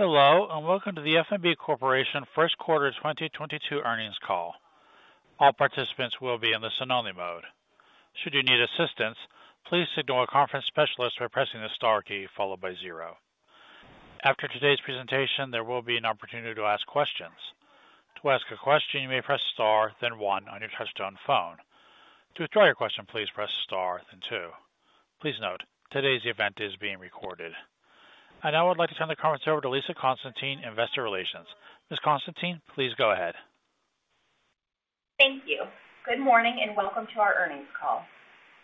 Hello, and welcome to the F.N.B. Corporation first quarter 2022 earnings call. All participants will be in the listen-only mode. Should you need assistance, please signal a conference specialist by pressing the star key followed by zero. After today's presentation, there will be an opportunity to ask questions. To ask a question, you may press star then one on your touchtone phone. To withdraw your question, please press star then two. Please note, today's event is being recorded. I now would like to turn the conference over to Lisa Constantine, Investor Relations. Ms. Constantine, please go ahead. Thank you. Good morning and welcome to our earnings call.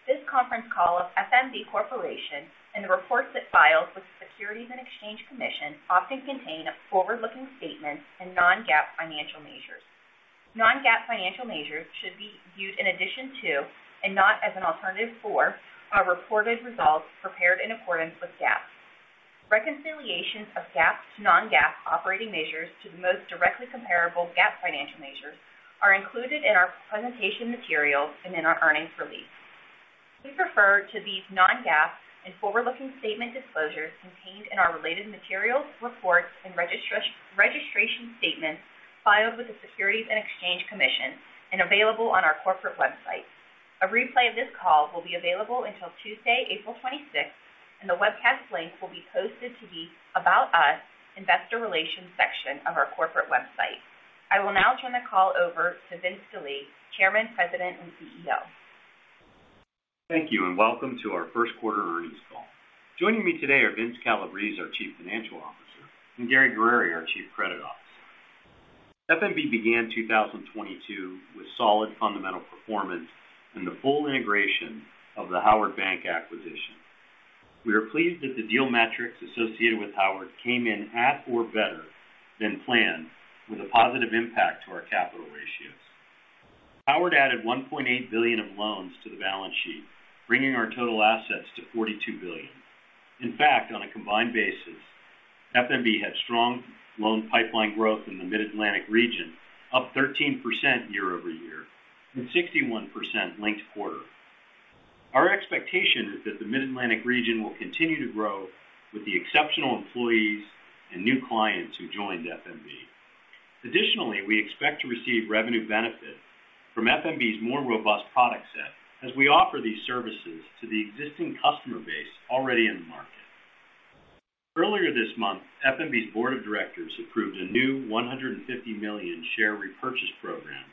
This conference call of F.N.B. Corporation and the reports it files with the Securities and Exchange Commission often contain forward-looking statements and non-GAAP financial measures. Non-GAAP financial measures should be used in addition to and not as an alternative for our reported results prepared in accordance with GAAP. Reconciliations of GAAP to non-GAAP operating measures to the most directly comparable GAAP financial measures are included in our presentation materials and in our earnings release. We refer to these non-GAAP and forward-looking statement disclosures contained in our related materials, reports, and registration statements filed with the Securities and Exchange Commission and available on our corporate website. A replay of this call will be available until Tuesday, April 26th, and the webcast link will be posted to the About Us, investor relations section of our corporate website. I will now turn the call over to Vince Delie, Chairman, President, and CEO. Thank you, and welcome to our first quarter earnings call. Joining me today are Vince Calabrese, our Chief Financial Officer, and Gary Guerrieri, our Chief Credit Officer. F.N.B. began 2022 with solid fundamental performance and the full integration of the Howard Bank acquisition. We are pleased that the deal metrics associated with Howard came in at or better than planned with a positive impact to our capital ratios. Howard added $1.8 billion of loans to the balance sheet, bringing our total assets to $42 billion. In fact, on a combined basis, F.N.B. had strong loan pipeline growth in the Mid-Atlantic region, up 13% year-over-year and 61% linked-quarter. Our expectation is that the Mid-Atlantic region will continue to grow with the exceptional employees and new clients who joined F.N.B.. Additionally, we expect to receive revenue benefit from F.N.B.'s more robust product set as we offer these services to the existing customer base already in the market. Earlier this month, F.N.B.'s board of directors approved a new $150 million share repurchase program,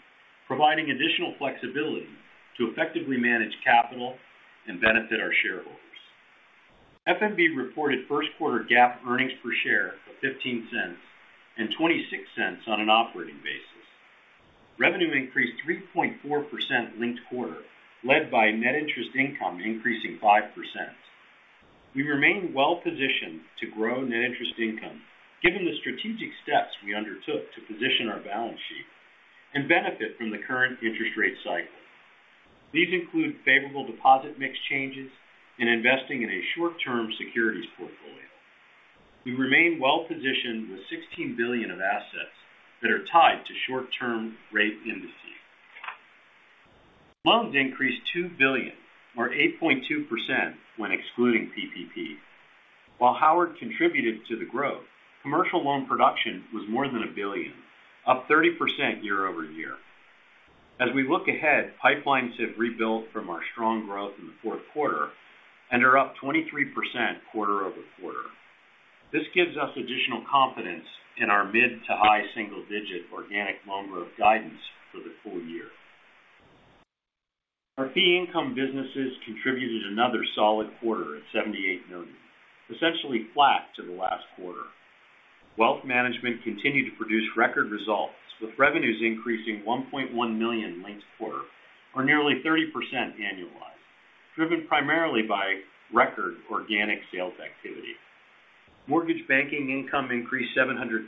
providing additional flexibility to effectively manage capital and benefit our shareholders. F.N.B. reported first quarter GAAP earnings per share of $0.15 and $0.26 on an operating basis. Revenue increased 3.4% linked-quarter, led by net interest income increasing 5%. We remain well positioned to grow net interest income given the strategic steps we undertook to position our balance sheet and benefit from the current interest rate cycle. These include favorable deposit mix changes and investing in a short-term securities portfolio. We remain well positioned with $16 billion of assets that are tied to short-term rate indices. Loans increased $2 billion or 8.2% when excluding PPP. While Howard contributed to the growth, commercial loan production was more than $1 billion, up 30% year-over-year. As we look ahead, pipelines have rebuilt from our strong growth in the fourth quarter and are up 23% quarter-over-quarter. This gives us additional confidence in our mid- to high-single-digit organic loan growth guidance for the full year. Our fee income businesses contributed another solid quarter at $78 million, essentially flat to the last quarter. Wealth management continued to produce record results, with revenues increasing $1.1 million linked-quarter, or nearly 30% annualized, driven primarily by record organic sales activity. Mortgage banking income increased $700,000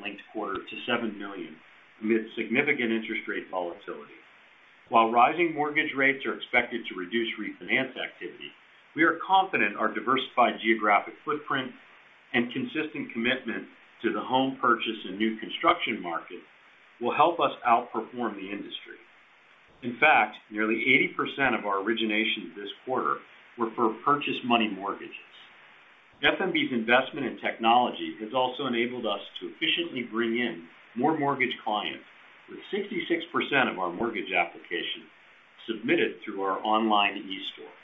linked-quarter to $7 million amid significant interest rate volatility. While rising mortgage rates are expected to reduce refinance activity, we are confident our diversified geographic footprint and consistent commitment to the home purchase and new construction market will help us outperform the industry. In fact, nearly 80% of our originations this quarter were for purchase money mortgages. F.N.B.'s investment in technology has also enabled us to efficiently bring in more mortgage clients, with 66% of our mortgage applications submitted through our online eStore.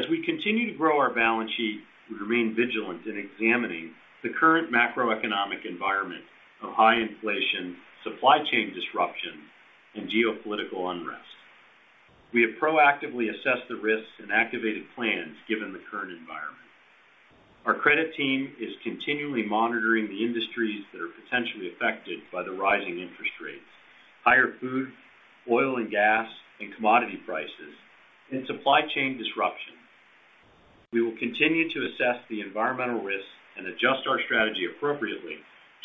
As we continue to grow our balance sheet, we remain vigilant in examining the current macroeconomic environment of high inflation, supply chain disruption, and geopolitical unrest. We have proactively assessed the risks and activated plans given the current environment. Our credit team is continually monitoring the industries that are potentially affected by the rising interest rates, higher food, oil and gas and commodity prices, and supply chain disruption. We will continue to assess the environmental risks and adjust our strategy appropriately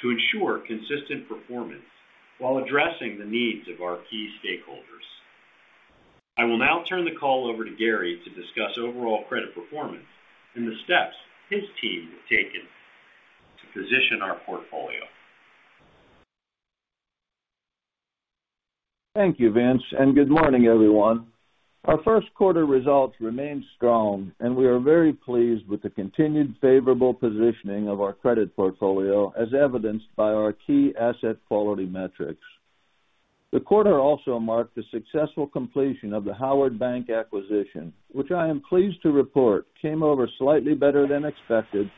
to ensure consistent performance while addressing the needs of our key stakeholders. I will now turn the call over to Gary to discuss overall credit performance and the steps his team has taken to position our portfolio. Thank you, Vince, and good morning, everyone. Our first quarter results remained strong, and we are very pleased with the continued favorable positioning of our credit portfolio as evidenced by our key asset quality metrics. The quarter also marked the successful completion of the Howard Bank acquisition, which I am pleased to report came over slightly better than expected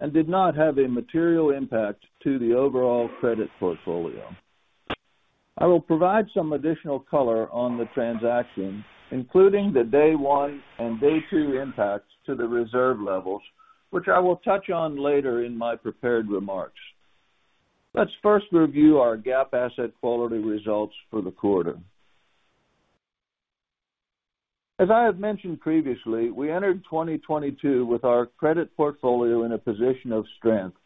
and did not have a material impact to the overall credit portfolio. I will provide some additional color on the transaction, including the day one and day two impacts to the reserve levels, which I will touch on later in my prepared remarks. Let's first review our GAAP asset quality results for the quarter. As I have mentioned previously, we entered 2022 with our credit portfolio in a position of strength.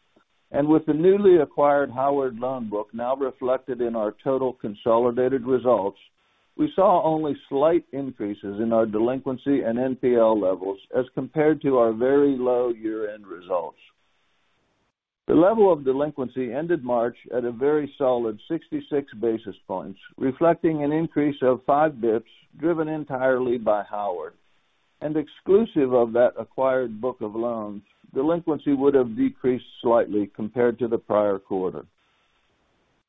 With the newly acquired Howard loan book now reflected in our total consolidated results, we saw only slight increases in our delinquency and NPL levels as compared to our very low year-end results. The level of delinquency ended March at a very solid 66 basis points, reflecting an increase of 5 basis points driven entirely by Howard. Exclusive of that acquired book of loans, delinquency would have decreased slightly compared to the prior quarter.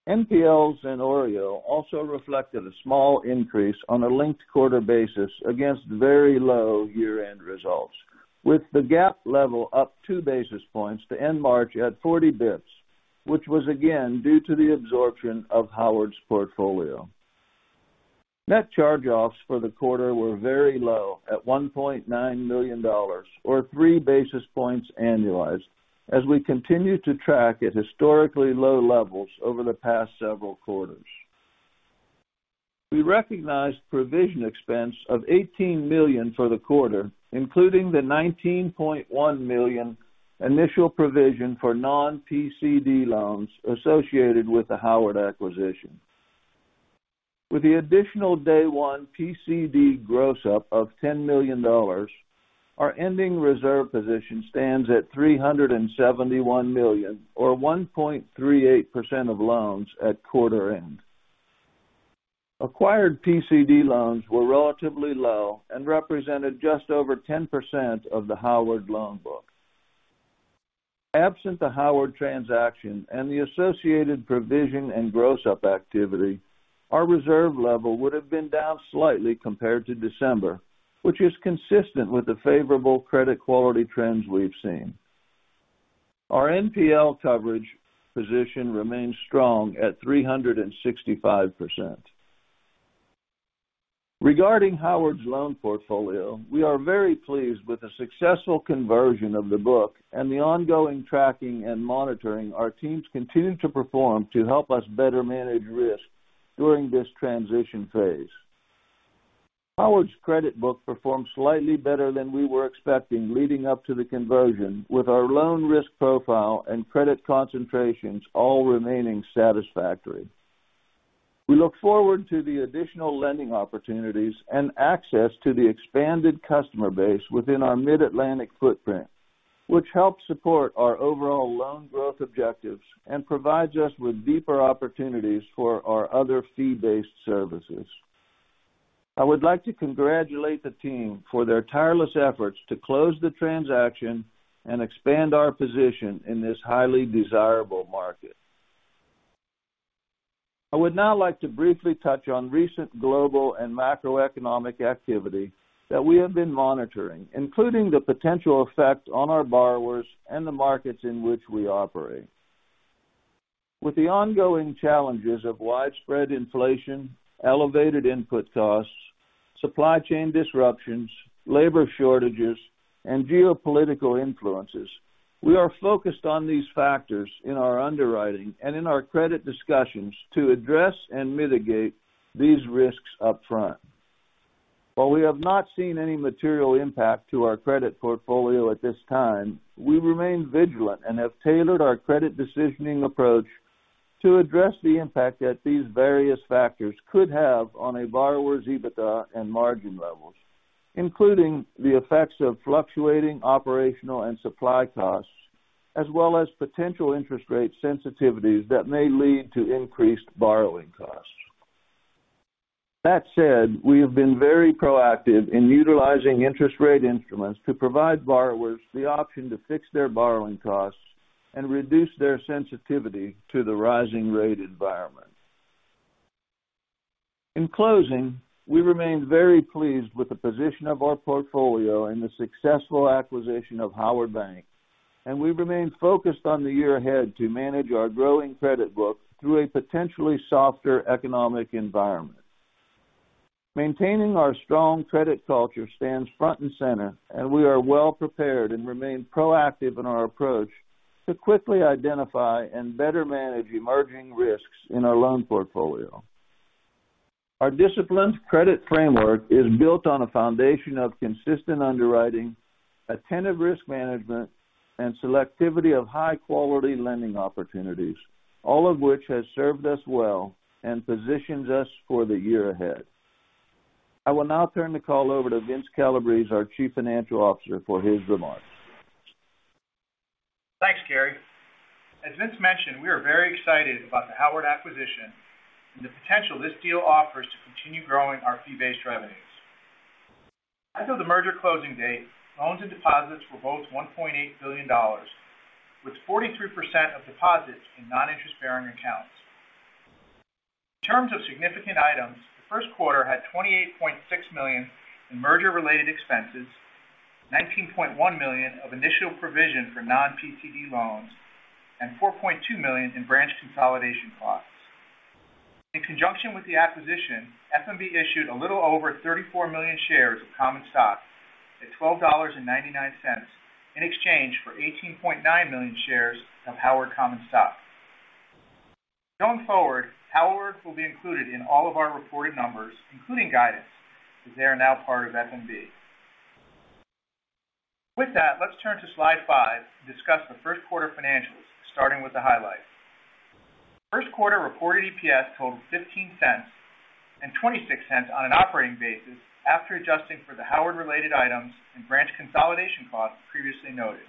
NPLs and OREO also reflected a small increase on a linked-quarter basis against very low year-end results, with the GAAP level up 2 basis points to end March at 40 basis points, which was again due to the absorption of Howard's portfolio. Net charge-offs for the quarter were very low at $1.9 million, or 3 basis points annualized, as we continue to track at historically low levels over the past several quarters. We recognized provision expense of $18 million for the quarter, including the $19.1 million initial provision for non-PCD loans associated with the Howard acquisition. With the additional day one PCD gross-up of $10 million, our ending reserve position stands at $371 million or 1.38% of loans at quarter end. Acquired PCD loans were relatively low and represented just over 10% of the Howard loan book. Absent the Howard transaction and the associated provision and gross-up activity, our reserve level would have been down slightly compared to December, which is consistent with the favorable credit quality trends we've seen. Our NPL coverage position remains strong at 365%. Regarding Howard's loan portfolio, we are very pleased with the successful conversion of the book and the ongoing tracking and monitoring our teams continue to perform to help us better manage risk during this transition phase. Howard's credit book performed slightly better than we were expecting leading up to the conversion, with our loan risk profile and credit concentrations all remaining satisfactory. We look forward to the additional lending opportunities and access to the expanded customer base within our Mid-Atlantic footprint, which helps support our overall loan growth objectives and provides us with deeper opportunities for our other fee-based services. I would like to congratulate the team for their tireless efforts to close the transaction and expand our position in this highly desirable market. I would now like to briefly touch on recent global and macroeconomic activity that we have been monitoring, including the potential effect on our borrowers and the markets in which we operate. With the ongoing challenges of widespread inflation, elevated input costs, supply chain disruptions, labor shortages, and geopolitical influences, we are focused on these factors in our underwriting and in our credit discussions to address and mitigate these risks upfront. While we have not seen any material impact to our credit portfolio at this time, we remain vigilant and have tailored our credit decisioning approach to address the impact that these various factors could have on a borrower's EBITDA and margin levels, including the effects of fluctuating operational and supply costs, as well as potential interest rate sensitivities that may lead to increased borrowing costs. That said, we have been very proactive in utilizing interest rate instruments to provide borrowers the option to fix their borrowing costs and reduce their sensitivity to the rising rate environment. In closing, we remain very pleased with the position of our portfolio and the successful acquisition of Howard Bank, and we remain focused on the year ahead to manage our growing credit book through a potentially softer economic environment. Maintaining our strong credit culture stands front and center, and we are well prepared and remain proactive in our approach to quickly identify and better manage emerging risks in our loan portfolio. Our disciplined credit framework is built on a foundation of consistent underwriting, attentive risk management, and selectivity of high-quality lending opportunities, all of which has served us well and positions us for the year ahead. I will now turn the call over to Vince Calabrese, our Chief Financial Officer, for his remarks. As Vince mentioned, we are very excited about the Howard acquisition and the potential this deal offers to continue growing our fee-based revenues. As of the merger closing date, loans and deposits were both $1.8 billion, with 43% of deposits in non-interest bearing accounts. In terms of significant items, the first quarter had $28.6 million in merger-related expenses, $19.1 million of initial provision for non-PCD loans, and $4.2 million in branch consolidation costs. In conjunction with the acquisition, F.N.B. issued a little over 34 million shares of common stock at $12.99 in exchange for 18.9 million shares of Howard common stock. Going forward, Howard will be included in all of our reported numbers, including guidance, as they are now part of F.N.B.. With that, let's turn to slide 5 and discuss the first quarter financials, starting with the highlights. First quarter reported EPS totaled $0.15 and $0.26 on an operating basis after adjusting for the Howard related items and branch consolidation costs previously noted.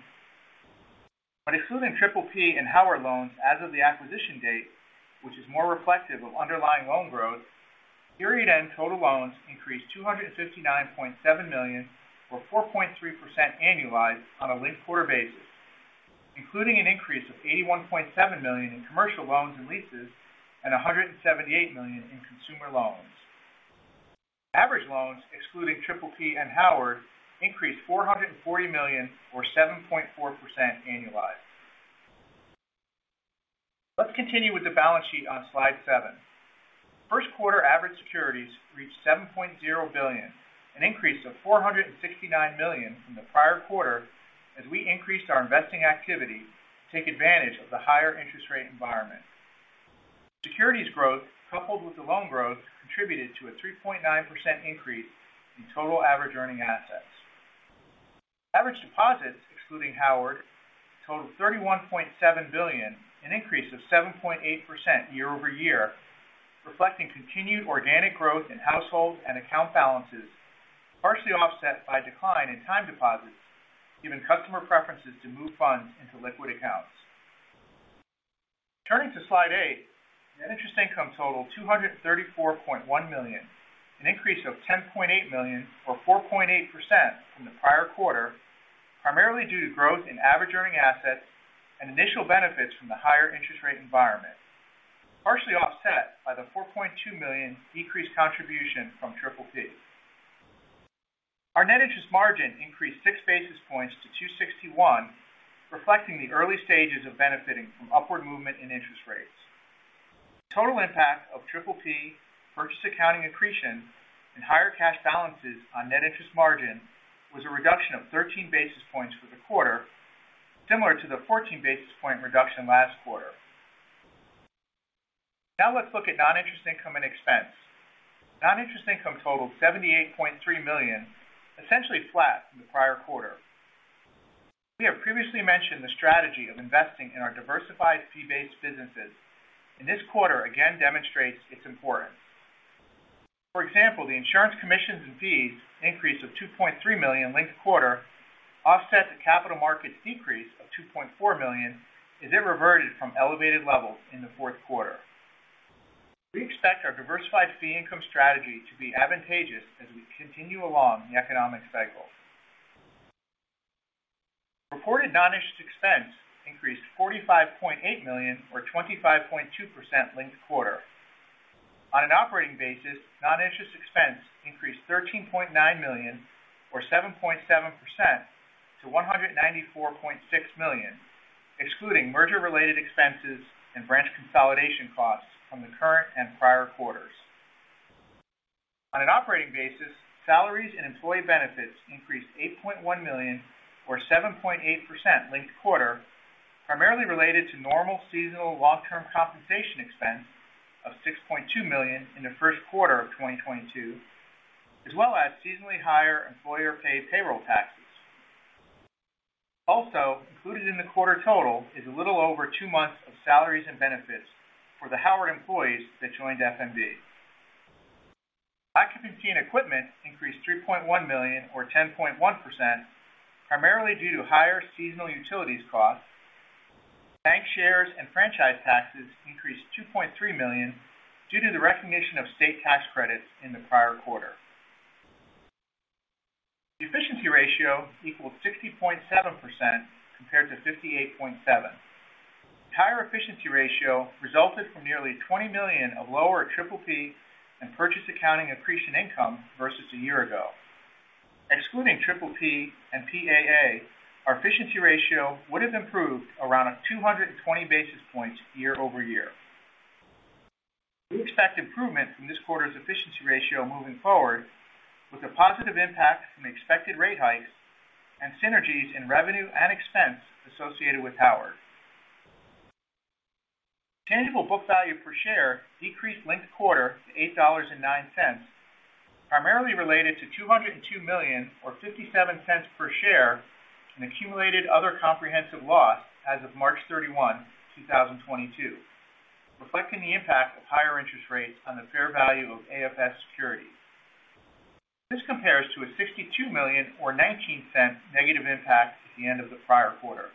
Excluding PPP and Howard loans as of the acquisition date, which is more reflective of underlying loan growth, period-end total loans increased $259.7 million, or 4.3% annualized on a linked-quarter basis, including an increase of $81.7 million in commercial loans and leases, and $178 million in consumer loans. Average loans excluding PPP and Howard increased $440 million or 7.4% annualized. Let's continue with the balance sheet on slide 7. First quarter average securities reached $7.0 billion, an increase of $469 million from the prior quarter as we increased our investing activity to take advantage of the higher interest rate environment. Securities growth, coupled with the loan growth, contributed to a 3.9% increase in total average earning assets. Average deposits, excluding Howard Bank, totaled $31.7 billion, an increase of 7.8% year-over-year, reflecting continued organic growth in households and account balances, partially offset by decline in time deposits, given customer preferences to move funds into liquid accounts. Turning to slide 8. Net interest income totaled $234.1 million, an increase of $10.8 million or 4.8% from the prior quarter, primarily due to growth in average earning assets and initial benefits from the higher interest rate environment, partially offset by the $4.2 million decreased contribution from PPP. Our net interest margin increased 6 basis points to 261, reflecting the early stages of benefiting from upward movement in interest rates. Total impact of PPP purchase accounting accretion and higher cash balances on net interest margin was a reduction of 13 basis points for the quarter, similar to the 14 basis point reduction last quarter. Now let's look at non-interest income and expense. Non-interest income totaled $78.3 million, essentially flat from the prior quarter. We have previously mentioned the strategy of investing in our diversified fee-based businesses, and this quarter again demonstrates its importance. For example, the insurance commissions and fees increase of $2.3 million linked-quarter offset the capital markets decrease of $2.4 million as it reverted from elevated levels in the fourth quarter. We expect our diversified fee income strategy to be advantageous as we continue along the economic cycle. Reported non-interest expense increased $45.8 million or 25.2% linked-quarter. On an operating basis, non-interest expense increased $13.9 million or 7.7% to $194.6 million, excluding merger related expenses and branch consolidation costs from the current and prior quarters. On an operating basis, salaries and employee benefits increased $8.1 million or 7.8% linked-quarter, primarily related to normal seasonal long term compensation expense of $6.2 million in the first quarter of 2022, as well as seasonally higher employer paid payroll taxes. Also included in the quarter total is a little over two months of salaries and benefits for the Howard employees that joined F.N.B. Occupancy and equipment increased $3.1 million or 10.1%, primarily due to higher seasonal utilities costs. Bank shares and franchise taxes increased $2.3 million due to the recognition of state tax credits in the prior quarter. The efficiency ratio equals 60.7% compared to 58.7%. The higher efficiency ratio resulted from nearly $20 million of lower PPP and purchase accounting accretion income versus a year ago. Excluding PPP and PAA, our efficiency ratio would have improved around 220 basis points year-over-year. We expect improvement from this quarter's efficiency ratio moving forward with a positive impact from expected rate hikes and synergies in revenue and expense associated with Howard. Tangible book value per share decreased linked-quarter to $8.09, primarily related to $202 million or $0.57 per share in accumulated other comprehensive loss as of March 31, 2022, reflecting the impact of higher interest rates on the fair value of AFS securities. This compares to a $62 million or $0.19 negative impact at the end of the prior quarter.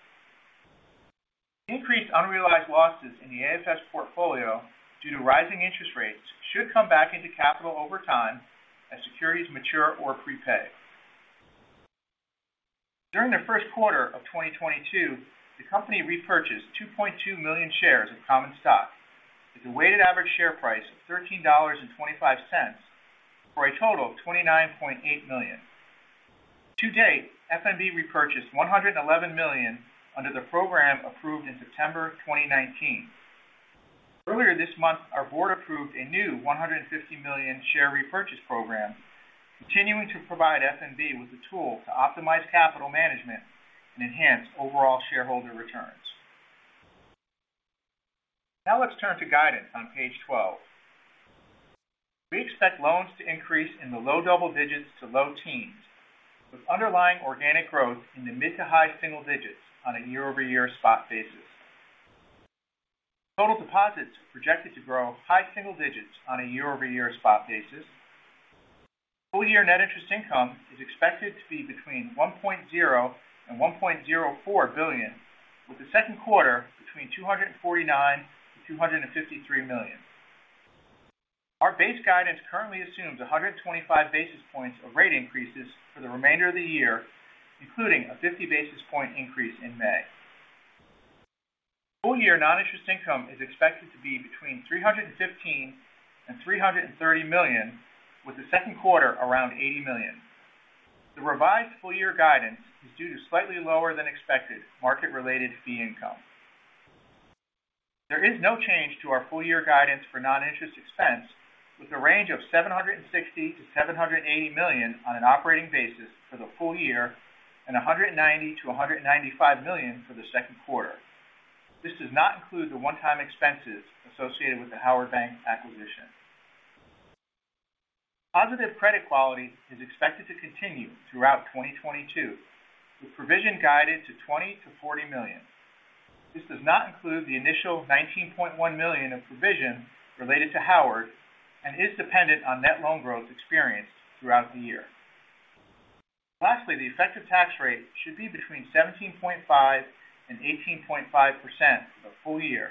Increased unrealized losses in the AFS portfolio due to rising interest rates should come back into capital over time as securities mature or prepay. During the first quarter of 2022, the company repurchased 2.2 million shares of common stock with a weighted average share price of $13.25 for a total of $29.8 million. To date, F.N.B. repurchased 111 million under the program approved in September 2019. Earlier this month, our board approved a new 150 million share repurchase program, continuing to provide F.N.B. with the tool to optimize capital management and enhance overall shareholder returns. Now let's turn to guidance on page 12. We expect loans to increase in the low double digits to low teens, with underlying organic growth in the mid- to high- single digits on a year-over-year spot basis. Total deposits projected to grow high-single digits on a year-over-year spot basis. Full year net interest income is expected to be between $1.0 billion-$1.04 billion, with the second quarter between $249 million-$253 million. Our base guidance currently assumes 125 basis points of rate increases for the remainder of the year, including a 50 basis point increase in May. Full year non-interest income is expected to be between $315 million-$330 million, with the second quarter around $80 million. The revised full year guidance is due to slightly lower than expected market-related fee income. There is no change to our full year guidance for non-interest expense, with a range of $760 million-$780 million on an operating basis for the full year and $190 million-$195 million for the second quarter. This does not include the one-time expenses associated with the Howard Bank acquisition. Positive credit quality is expected to continue throughout 2022, with provision guided to $20 million-$40 million. This does not include the initial $19.1 million of provision related to Howard and is dependent on net loan growth experienced throughout the year. Lastly, the effective tax rate should be between 17.5% and 18.5% for the full year,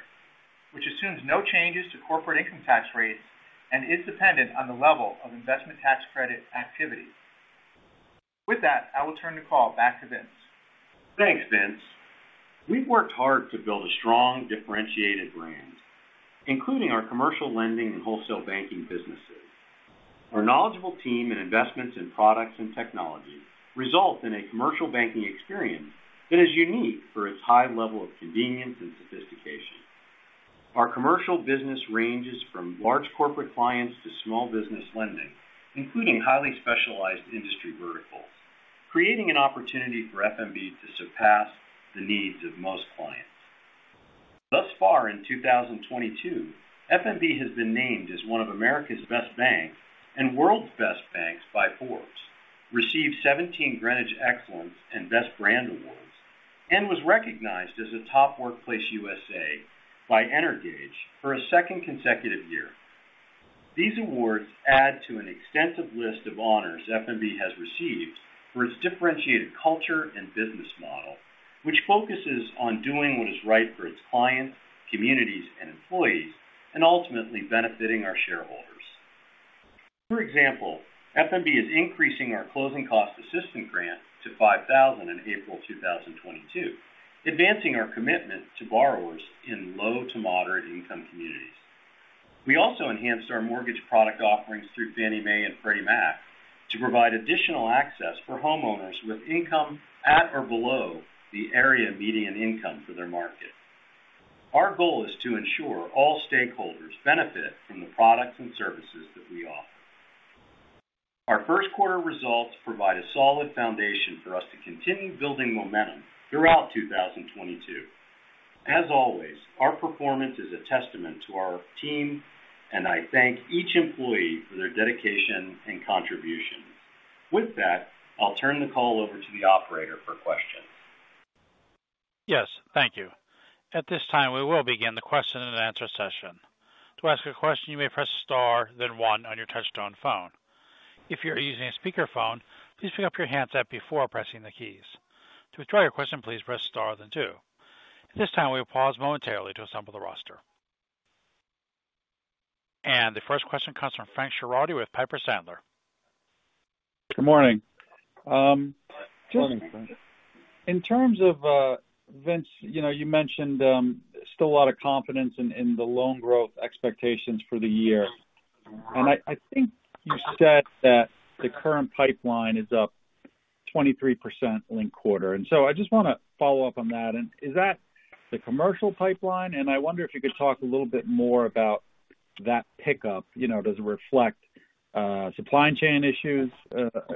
which assumes no changes to corporate income tax rates and is dependent on the level of investment tax credit activity. With that, I will turn the call back to Vince. Thanks, Vince. We've worked hard to build a strong differentiated brand, including our commercial lending and wholesale banking businesses. Our knowledgeable team and investments in products and technology result in a commercial banking experience that is unique for its high level of convenience and sophistication. Our commercial business ranges from large corporate clients to small business lending, including highly specialized industry verticals, creating an opportunity for F.N.B. to surpass the needs of most clients. Thus far in 2022, F.N.B. has been named as one of America's Best Banks and World's Best Banks by Forbes, received 17 Greenwich Excellence and Best Brand Awards, and was recognized as a Top Workplace USA by Energage for a second consecutive year. These awards add to an extensive list of honors F.N.B. has received for its differentiated culture and business model, which focuses on doing what is right for its clients, communities, and employees, and ultimately benefiting our shareholders. For example, F.N.B. is increasing our closing cost assistance grant to $5,000 in April 2022, advancing our commitment to borrowers in low- to moderate-income communities. We also enhanced our mortgage product offerings through Fannie Mae and Freddie Mac to provide additional access for homeowners with income at or below the area median income for their market. Our goal is to ensure all stakeholders benefit from the products and services that we offer. Our first quarter results provide a solid foundation for us to continue building momentum throughout 2022. As always, our performance is a testament to our team, and I thank each employee for their dedication and contribution. With that, I'll turn the call over to the operator for questions. Yes, thank you. At this time, we will begin the question-and-answer session. To ask a question, you may press star then one on your touchtone phone. If you're using a speakerphone, please pick up your handset before pressing the keys. To withdraw your question, please press star then two. At this time, we will pause momentarily to assemble the roster. The first question comes from Frank Schiraldi with Piper Sandler. Good morning. Morning, Frank. In terms of, Vince, you know, you mentioned still a lot of confidence in the loan growth expectations for the year. I think you said that the current pipeline is up 23% linked-quarter. I just want to follow up on that. Is that the commercial pipeline? I wonder if you could talk a little bit more about that pickup. You know, does it reflect supply chain issues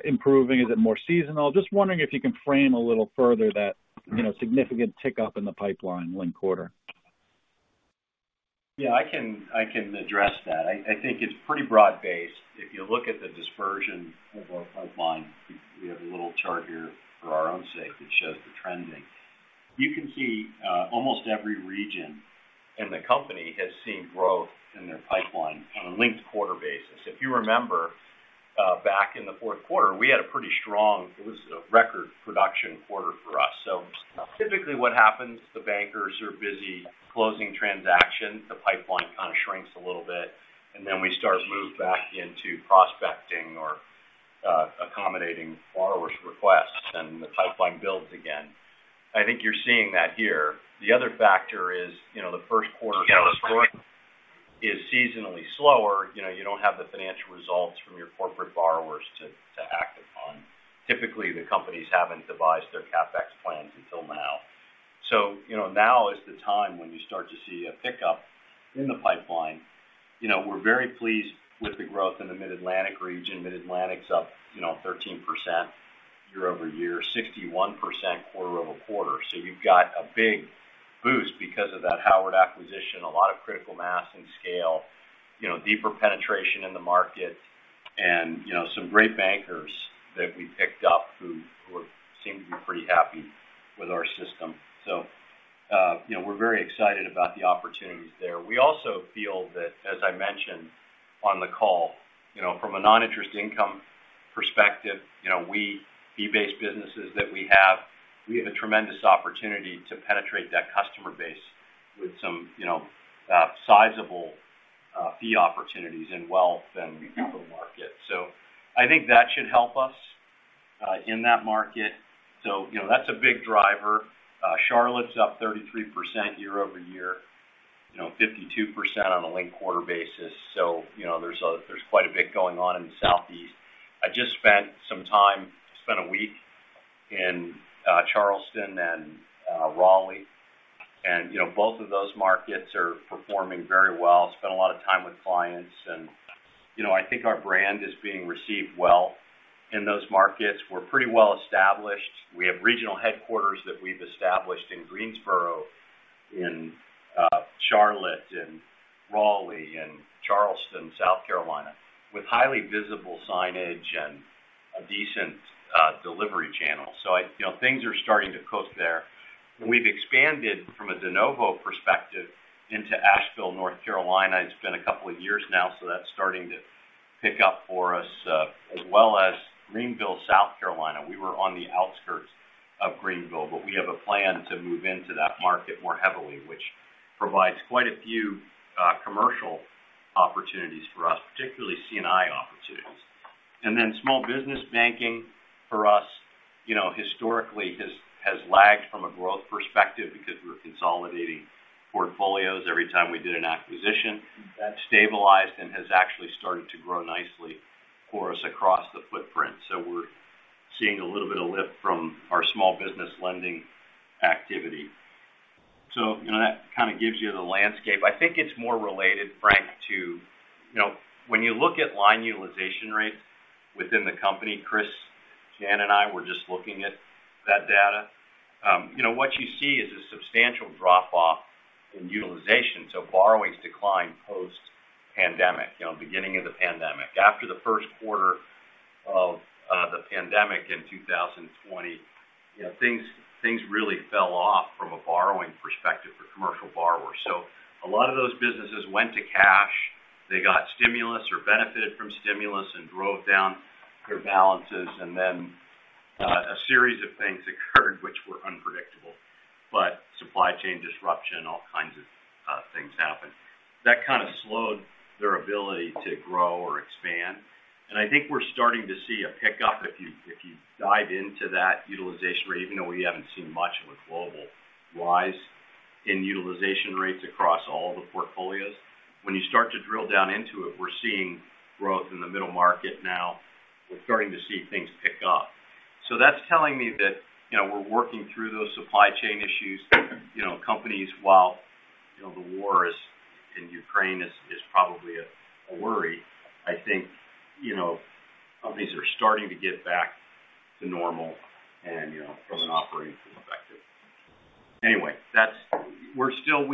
improving? Is it more seasonal? Just wondering if you can frame a little further that, you know, significant tick up in the pipeline linked-quarter. Yeah, I can address that. I think it's pretty broad-based. If you look at the dispersion of our pipeline, we have a little chart here for our own sake that shows the trending. You can see, almost every region in the company has seen growth in their pipeline on a linked-quarter basis. If you remember, back in the fourth quarter, we had a pretty strong record production quarter for us. Typically what happens, the bankers are busy closing transactions, the pipeline kind of shrinks a little bit, and then we start to move back into prospecting or accommodating borrower's requests, and the pipeline builds again. I think you're seeing that here. The other factor is, you know, the first quarter growth is seasonally slower. You know, you don't have the financial results from your corporate borrowers to act upon. Typically, the companies haven't devised their CapEx plans until now. You know, now is the time when you start to see a pickup in the pipeline. You know, we're very pleased with the growth in the Mid-Atlantic region. Mid-Atlantic's up, you know, 13% year-over-year, 61% quarter-over-quarter. You've got a big boost because of that Howard acquisition, a lot of critical mass and scale, you know, deeper penetration in the market and, you know, some great bankers that we picked up who seem to be pretty happy with our system. You know, we're very excited about the opportunities there. We also feel that, as I mentioned on the call, you know, from a non-interest income perspective, you know, we have fee-based businesses that we have, we have a tremendous opportunity to penetrate that customer base with some, you know, sizable fee opportunities in wealth and the public market. I think that should help us in that market. You know, that's a big driver. Charlotte's up 33% year-over-year, you know, 52% on a linked-quarter basis. You know, there's quite a bit going on in the Southeast. I just spent a week in Charleston and Raleigh, and you know, both of those markets are performing very well. Spent a lot of time with clients and, you know, I think our brand is being received well in those markets. We're pretty well established. We have regional headquarters that we've established in Greensboro, in Charlotte, in Raleigh, in Charleston, South Carolina, with highly visible signage and a decent delivery channel. So you know, things are starting to cook there. We've expanded from a de novo perspective into Asheville, North Carolina. It's been a couple of years now, so that's starting to pick up for us, as well as Greenville, South Carolina. We were on the outskirts of Greenville, but we have a plan to move into that market more heavily, which provides quite a few commercial opportunities for us, particularly C&I opportunities. Small business banking for us, you know, historically has lagged from a growth perspective because we were consolidating portfolios every time we did an acquisition. That stabilized and has actually started to grow nicely for us across the footprint. We're seeing a little bit of lift from our small business lending activity. You know, that kind of gives you the landscape. I think it's more related, Frank, to, you know, when you look at line utilization rates within the company, Chris, Dan, and I were just looking at that data. You know, what you see is a substantial drop off in utilization. Borrowings declined post pandemic, you know, beginning of the pandemic. After the first quarter of the pandemic in 2020, you know, things really fell off from a borrowing perspective for commercial borrowers. A lot of those businesses went to cash. They got stimulus or benefited from stimulus and drove down their balances. And then, a series of things occurred which were unpredictable, but supply chain disruption, all kinds of things happened. That kind of slowed their ability to grow or expand. I think we're starting to see a pickup. If you dive into that utilization rate, even though we haven't seen much of a global rise in utilization rates across all the portfolios, when you start to drill down into it, we're seeing growth in the middle market now. We're starting to see things pick up. That's telling me that, you know, we're working through those supply chain issues. You know, companies, while, you know, the war in Ukraine is probably a worry. I think, you know, companies are starting to get back to normal and, you know, from an operating perspective. Anyway, that's. We're still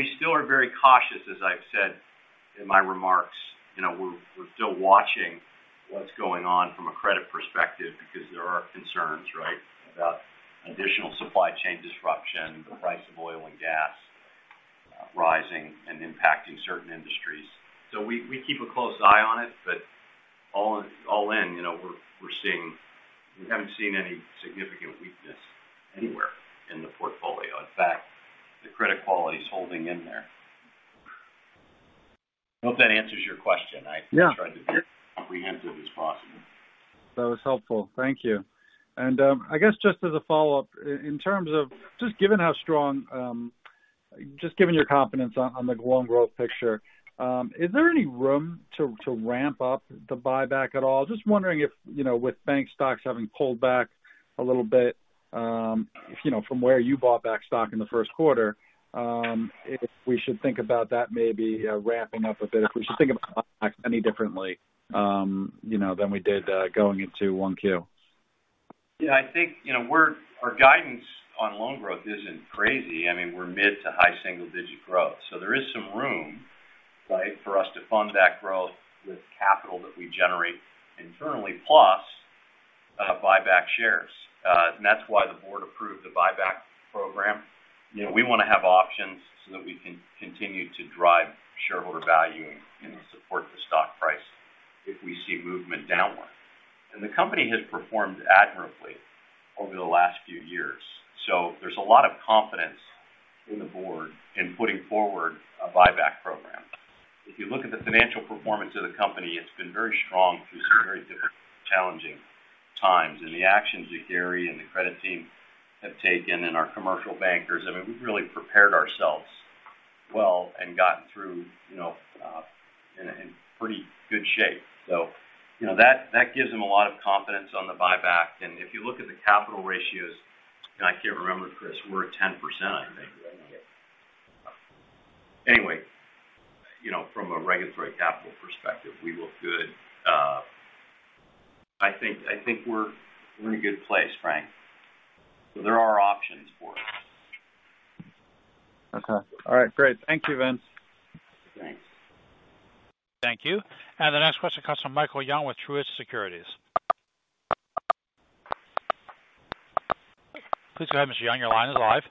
very cautious, as I've said in my remarks. You know, we're still watching what's going on from a credit perspective because there are concerns, right, about additional supply chain disruption, the price of oil and gas rising and impacting certain industries. We keep a close eye on it, but all in, you know, we're seeing, we haven't seen any significant weakness anywhere in the portfolio. In fact, the credit quality is holding in there. I hope that answers your question. Yeah. I tried to be as comprehensive as possible. That was helpful. Thank you. I guess just as a follow-up, in terms of given how strong your confidence on the loan growth picture, is there any room to ramp up the buyback at all? Just wondering if, you know, with bank stocks having pulled back a little bit, you know, from where you bought back stock in the first quarter, if we should think about that maybe ramping up a bit, if we should think about that any differently, you know, than we did going into 1Q. Yeah, I think, you know, our guidance on loan growth isn't crazy. I mean, we're mid- to high- single digit growth, so there is some room, right, for us to fund that growth with capital that we generate internally. Plus, buyback shares, and that's why the board approved the buyback program. You know, we want to have options so that we can continue to drive shareholder value and, you know, support the stock price if we see movement downward. The company has performed admirably over the last few years. There's a lot of confidence in the board in putting forward a buyback program. If you look at the financial performance of the company, it's been very strong through some very different challenging times. The actions that Gary and the credit team have taken and our commercial bankers, I mean, we've really prepared ourselves well and gotten through, you know, in pretty good shape. You know, that gives them a lot of confidence on the buyback. If you look at the capital ratios, and I can't remember, Chris, we're at 10%, I think. Yeah. Anyway, you know, from a regulatory capital perspective, we look good. I think we're in a good place, Frank. There are options for us. Okay. All right, great. Thank you, Vince. Thanks. Thank you. The next question comes from Michael Young with Truist Securities. Please go ahead, Mr. Young. Your line is live.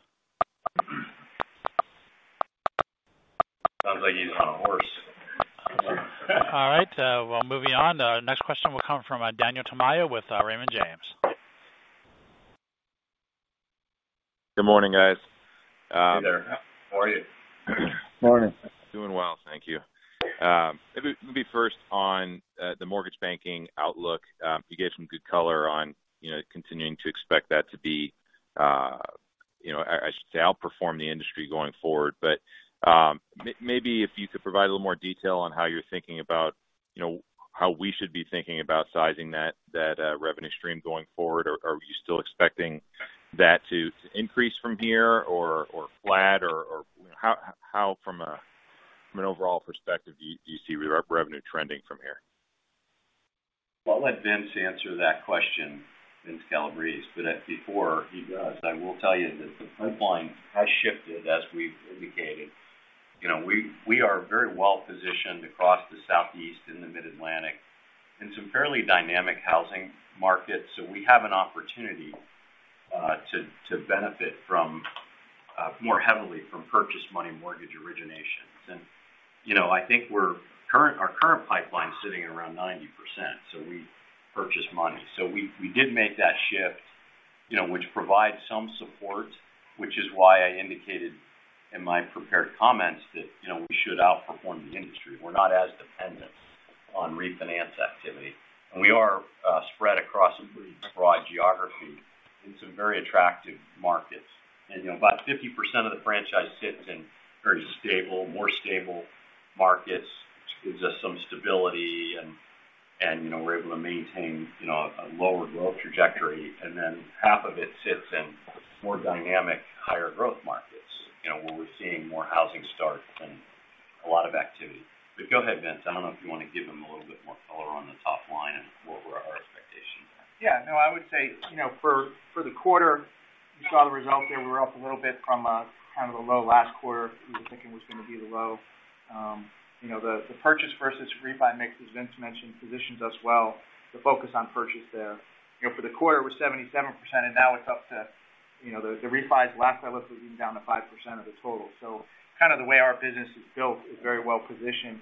Sounds like he's on a horse. All right. We're moving on. The next question will come from Daniel Tamayo with Raymond James. Good morning, guys. Hey there. How are you? Morning. Doing well, thank you. Maybe let me first on the mortgage banking outlook. You gave some good color on, you know, continuing to expect that to be, you know, I should say, outperform the industry going forward. If you could provide a little more detail on how you're thinking about, you know, how we should be thinking about sizing that revenue stream going forward. Or, are you still expecting that to increase from here or flat or how from an overall perspective do you see revenue trending from here? Well, I'll let Vince answer that question, Vince Calabrese. Before he does, I will tell you that the pipeline has shifted as we've indicated. You know, we are very well positioned across the Southeast and the Mid-Atlantic in some fairly dynamic housing markets. We have an opportunity to benefit more heavily from purchase money mortgage originations. You know, I think our current pipeline sitting at around 90%, so we purchase money. We did make that shift, you know, which provides some support, which is why I indicated in my prepared comments that, you know, we should outperform the industry. We're not as dependent on refinance activity. We are spread across a pretty broad geography in some very attractive markets. You know, about 50% of the franchise sits in very stable, more stable markets, gives us some stability and, you know, we're able to maintain, you know, a lower growth trajectory. Then half of it sits in more dynamic, higher growth markets, you know, where we're seeing more housing starts and a lot of activity. Go ahead, Vince. I don't know if you want to give him a little bit more color on the top line and what were our expectations are. Yeah. No, I would say, you know, for the quarter, you saw the result there. We're up a little bit from kind of the low last quarter. We were thinking it was going to be the low. You know, the purchase versus refi mix, as Vince mentioned, positions us well to focus on purchase there. You know, for the quarter, it was 77%, and now it's up to, you know, the refi is last I looked was even down to 5% of the total. So kind of the way our business is built is very well positioned.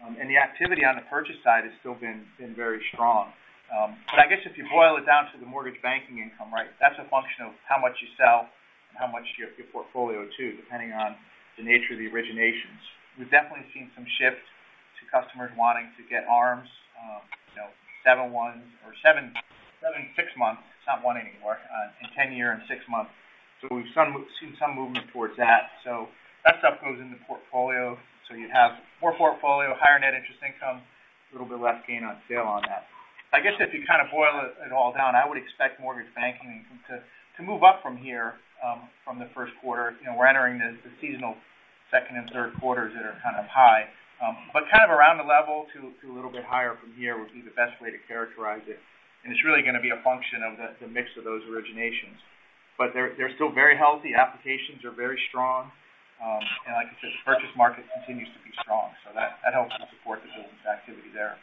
The activity on the purchase side has still been very strong. I guess if you boil it down to the mortgage banking income, right, that's a function of how much you sell and how much your portfolio too, depending on the nature of the originations. We've definitely seen some shift to customers wanting to get ARMs, seven one or seven seven six months, it's not one anymore, and 10-year and 6 months. So we've seen some movement towards that. So that stuff goes in the portfolio. So you'd have more portfolio, higher net interest income, a little bit less gain on sale on that. I guess if you kind of boil it all down, I would expect mortgage banking to move up from here, from the first quarter. We're entering the seasonal second and third quarters that are kind of high. Kind of around the level to a little bit higher from here would be the best way to characterize it. It's really going to be a function of the mix of those originations. They're still very healthy. Applications are very strong. Like I said, the purchase market continues to be strong, so that helps to support the business activity there.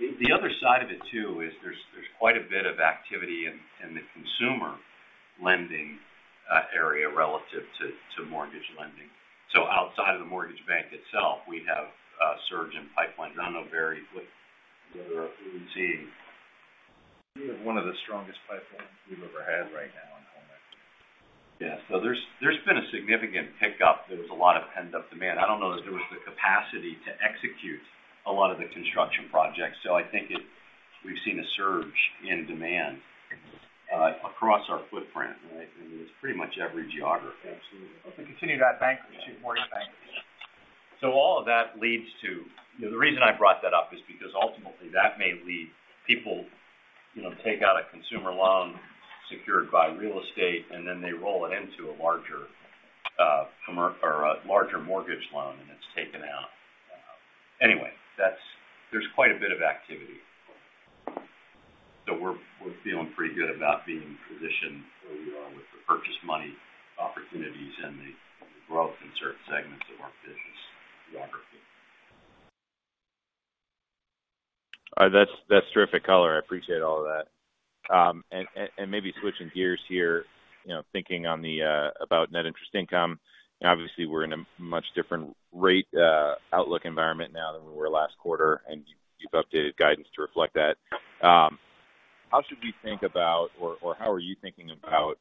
The other side of it too is there's quite a bit of activity in the consumer lending area relative to mortgage lending. Outside of the mortgage bank itself, we have a surge in pipeline. I don't know, Barry, whether we're seeing. We have one of the strongest pipelines we've ever had right now in home equity. Yeah. There's been a significant pickup. There was a lot of pent-up demand. I don't know if there was the capacity to execute a lot of the construction projects. I think we've seen a surge in demand across our footprint. Right? I mean, it's pretty much every geography. Absolutely. We continue to add bankers to the mortgage bank. All of that leads to you know, the reason I brought that up is because ultimately that may lead people, you know, to take out a consumer loan secured by real estate, and then they roll it into a larger or a larger mortgage loan, and it's taken out. Anyway, that's. There’s quite a bit of activity. We're feeling pretty good about being positioned where we are with the purchase money opportunities and the growth in certain segments of our business geography. All right. That's terrific color. I appreciate all of that. Maybe switching gears here, you know, thinking about net interest income. Obviously, we're in a much different rate outlook environment now than we were last quarter, and you've updated guidance to reflect that. How should we think about or how are you thinking about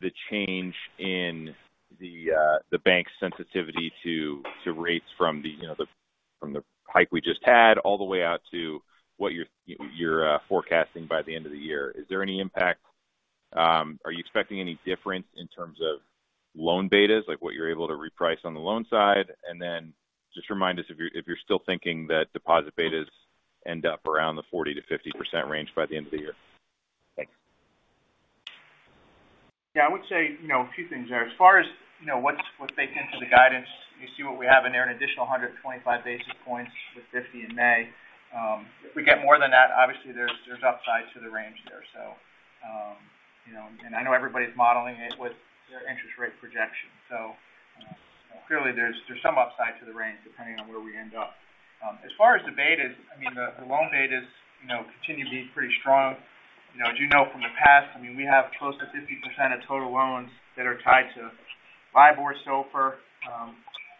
the change in the bank sensitivity to rates from you know, from the hike we just had all the way out to what you're forecasting by the end of the year? Is there any impact? Are you expecting any difference in terms of loan betas, like what you're able to reprice on the loan side? Just remind us if you're still thinking that deposit betas end up around the 40%-50% range by the end of the year. Thanks. Yeah, I would say, you know, a few things there. As far as, you know, what's baked into the guidance, you see what we have in there, an additional 125 basis points with 50 in May. If we get more than that, obviously there's upside to the range there. You know, and I know everybody's modeling it with their interest rate projection. Clearly there's some upside to the range depending on where we end up. As far as the betas, I mean, the loan betas, you know, continue to be pretty strong. You know, as you know from the past, I mean, we have close to 50% of total loans that are tied to LIBOR, SOFR,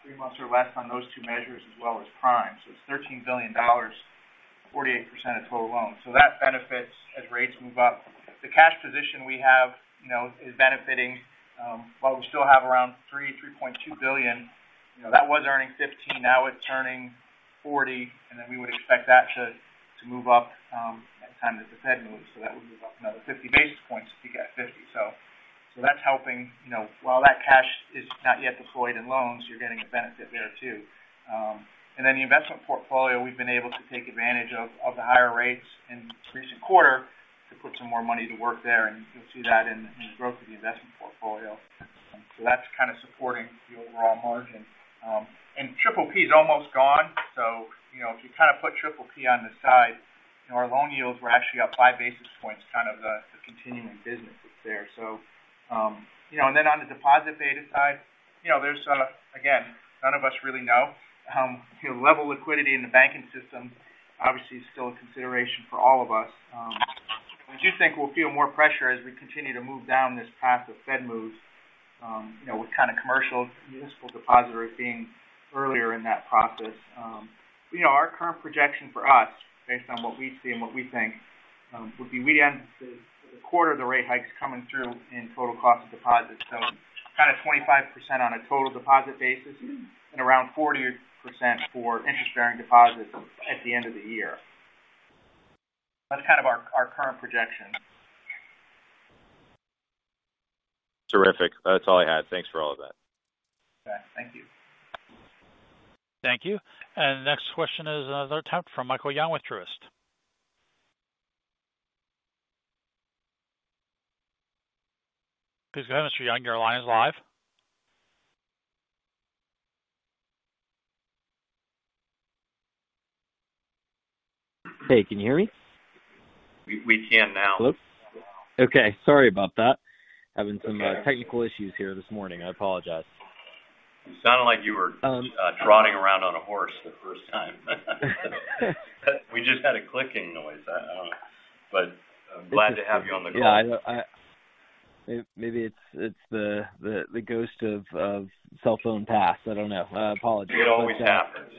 three months or less on those two measures, as well as prime. It's $13 billion, 48% of total loans. That benefits as rates move up. The cash position we have, you know, is benefiting, while we still have around $3.2 billion. You know, that was earning 15, now it's earning 40, and then we would expect that to move up as the Fed moves. That would move up another 50 basis points if you get 50. That's helping. You know, while that cash is not yet deployed in loans, you're getting a benefit there too. The investment portfolio, we've been able to take advantage of the higher rates in the recent quarter to put some more money to work there, and you'll see that in the growth of the investment portfolio. That's kind of supporting the overall margin. PPP is almost gone. You know, if you kind of put PPP on the side, our loan yields were actually up five basis points, kind of the continuing business that's there. You know, and then on the deposit beta side, you know, there's again, none of us really know, you know, level liquidity in the banking system obviously is still a consideration for all of us. I do think we'll feel more pressure as we continue to move down this path of Fed moves, you know, with kind of commercial municipal depositors being earlier in that process. You know, our current projection for us, based on what we see and what we think, would be we end the quarter of the rate hikes coming through in total cost of deposits. Kind of 25% on a total deposit basis and around 40% for interest bearing deposits at the end of the year. That's kind of our current projection. Terrific. That's all I had. Thanks for all of that. Okay. Thank you. Thank you. Next question is another attempt from Michael Young with Truist. Please go ahead, Mr. Young. Your line is live. Hey, can you hear me? We can now. Hello. Okay, sorry about that. Having some technical issues here this morning. I apologize. You sounded like you were trotting around on a horse the first time. We just heard a clicking noise. I don't know, but I'm glad to have you on the call. Yeah, maybe it's the ghost of cell phone past. I don't know. I apologize. It always happens.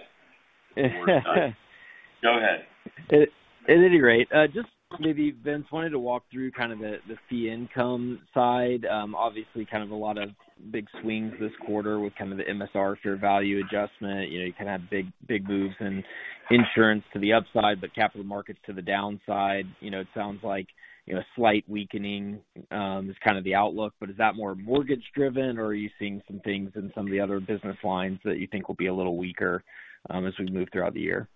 Go ahead. At any rate, I just maybe wanted to walk through kind of the fee income side. Obviously kind of a lot of big swings this quarter with kind of the MSR fair value adjustment. You know, you kind of have big, big moves in insurance to the upside, but capital markets to the downside. You know, it sounds like slight weakening is kind of the outlook. But is that more mortgage driven or are you seeing some things in some of the other business lines that you think will be a little weaker as we move throughout the year?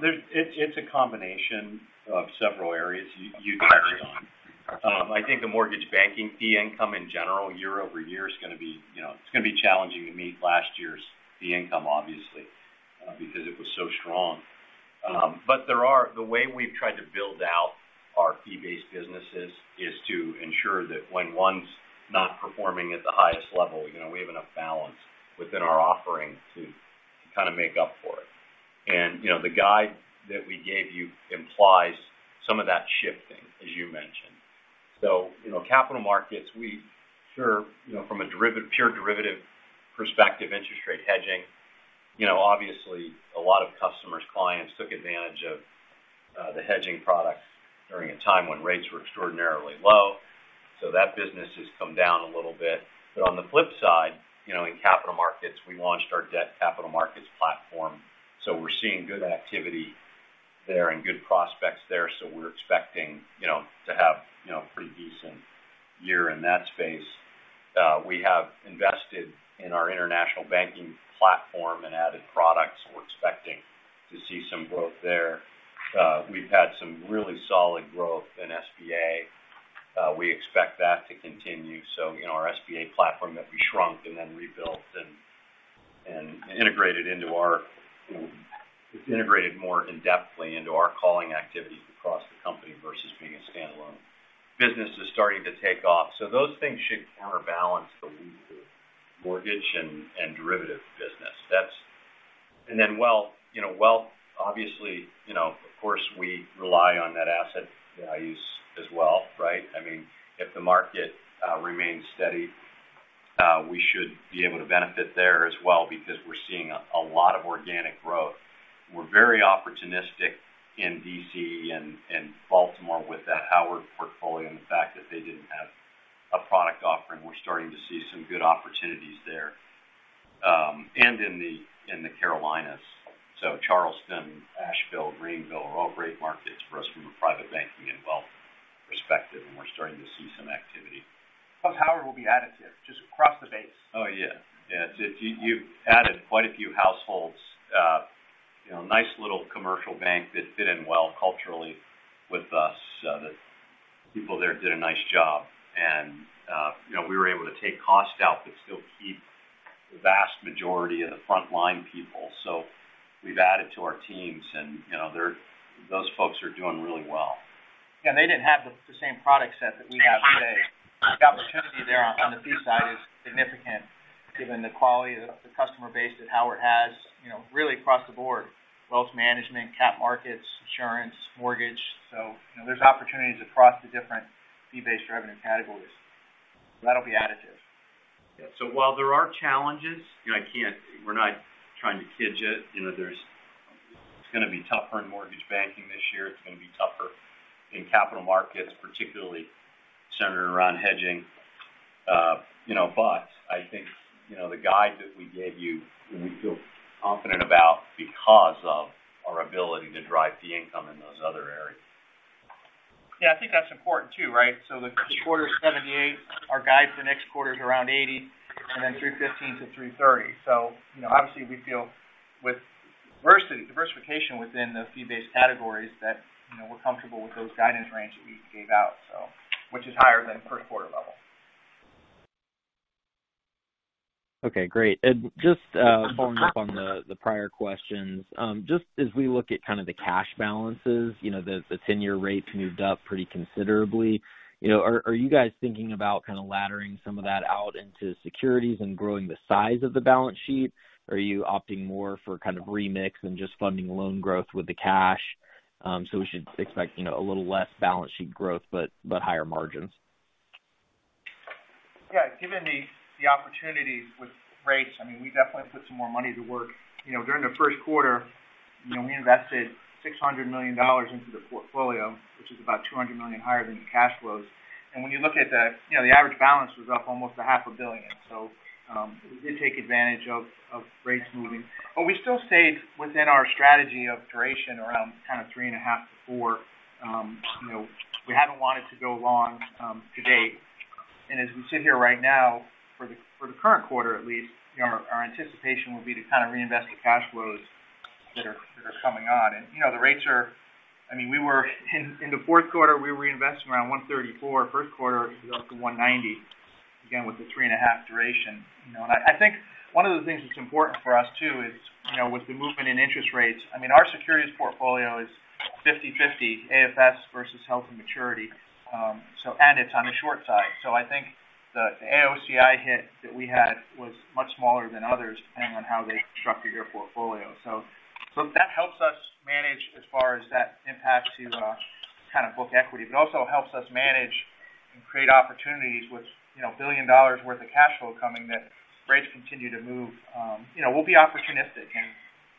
There's a combination of several areas you touched on. I think the mortgage banking fee income in general year-over-year is going to be, you know, it's going to be challenging to meet last year's fee income obviously, because it was so strong. But the way we've tried to build out our fee-based businesses is to ensure that when one's not performing at the highest level, you know, we have enough balance within our offering to kind of make up for it. You know, the guide that we gave you implies some of that shifting, as you mentioned. You know, capital markets, we saw, you know, from a pure derivative perspective, interest rate hedging. Obviously a lot of customers, clients took advantage of the hedging products during a time when rates were extraordinarily low. That business has come down a little bit. On the flip side, you know, in capital markets, we launched our debt capital markets platform. We're seeing good activity there and good prospects there. We're expecting, you know, to have, you know, a pretty decent year in that space. We have invested in our international banking platform and added products. We're expecting to see some growth there. We've had some really solid growth in SBA. We expect that to continue. You know, our SBA platform that we shrunk and then rebuilt and integrated into our, you know. It's integrated more in-depthly into our calling activities across the company versus being a standalone. Business is starting to take off. Those things should counterbalance the weaker mortgage and derivative business. That's. Wealth, you know, obviously, you know, of course, we rely on net asset values as well, right? I mean, if the market remains steady, we should be able to benefit there as well because we're seeing a lot of organic growth. We're very opportunistic in D.C. and Baltimore with that Howard portfolio and the fact that they didn't have a product offering. We're starting to see some good opportunities there. In the Carolinas, Charleston, Asheville, Greenville are all great markets for us from a private banking and wealth perspective, and we're starting to see some activity. Plus Howard will be additive just across the base. Oh, yeah. Yeah. You've added quite a few households. You know, nice little commercial bank that fit in well culturally with us, that people there did a nice job and, you know, we were able to take cost out but still keep the vast majority of the frontline people. We've added to our teams and, you know, they're those folks are doing really well. Yeah, they didn't have the same product set that we have today. The opportunity there on the fee side is significant given the quality of the customer base that Howard has, you know, really across the board. Wealth management, cap markets, insurance, mortgage. You know, there's opportunities across the different fee-based revenue categories. That'll be additive. While there are challenges, you know, we're not trying to kid you. You know, it's gonna be tougher in mortgage banking this year. It's gonna be tougher in capital markets, particularly centered around hedging. You know, but I think, you know, the guide that we gave you, we feel confident about because of our ability to drive fee income in those other areas. Yeah, I think that's important too, right? The quarter 78, our guide for the next quarter is around 80 and then 315-330. You know, obviously we feel with diversification within the fee-based categories that, you know, we're comfortable with those guidance range that we gave out, so which is higher than first quarter level. Okay, great. Just following up on the prior questions. Just as we look at kind of the cash balances, you know, the ten-year rates moved up pretty considerably. You know, are you guys thinking about kind of laddering some of that out into securities and growing the size of the balance sheet? Are you opting more for kind of remix and just funding loan growth with the cash? We should expect, you know, a little less balance sheet growth, but higher margins. Yeah, given the opportunities with rates, I mean, we definitely put some more money to work. You know, during the first quarter, you know, we invested $600 million into the portfolio, which is about $200 million higher than the cash flows. When you look at the, you know, the average balance was up almost $500 million. We did take advantage of rates moving. We still stayed within our strategy of duration around kind of 3.5-4. You know, we haven't wanted to go long to date. As we sit here right now, for the current quarter at least, you know, our anticipation will be to kind of reinvest the cash flows that are coming on. You know, the rates are... I mean, we were in the fourth quarter, we were investing around 1.34. First quarter is up to 1.90, again, with the 3.5 duration. You know, I think one of the things that's important for us too is, you know, with the movement in interest rates, I mean, our securities portfolio is 50/50 AFS versus held to maturity. It's on the short side. I think the AOCI hit that we had was much smaller than others, depending on how they structured their portfolio. That helps us manage as far as that impact to the kind of book equity. It also helps us manage and create opportunities with $1 billion worth of cash flow coming that rates continue to move. You know, we'll be opportunistic, and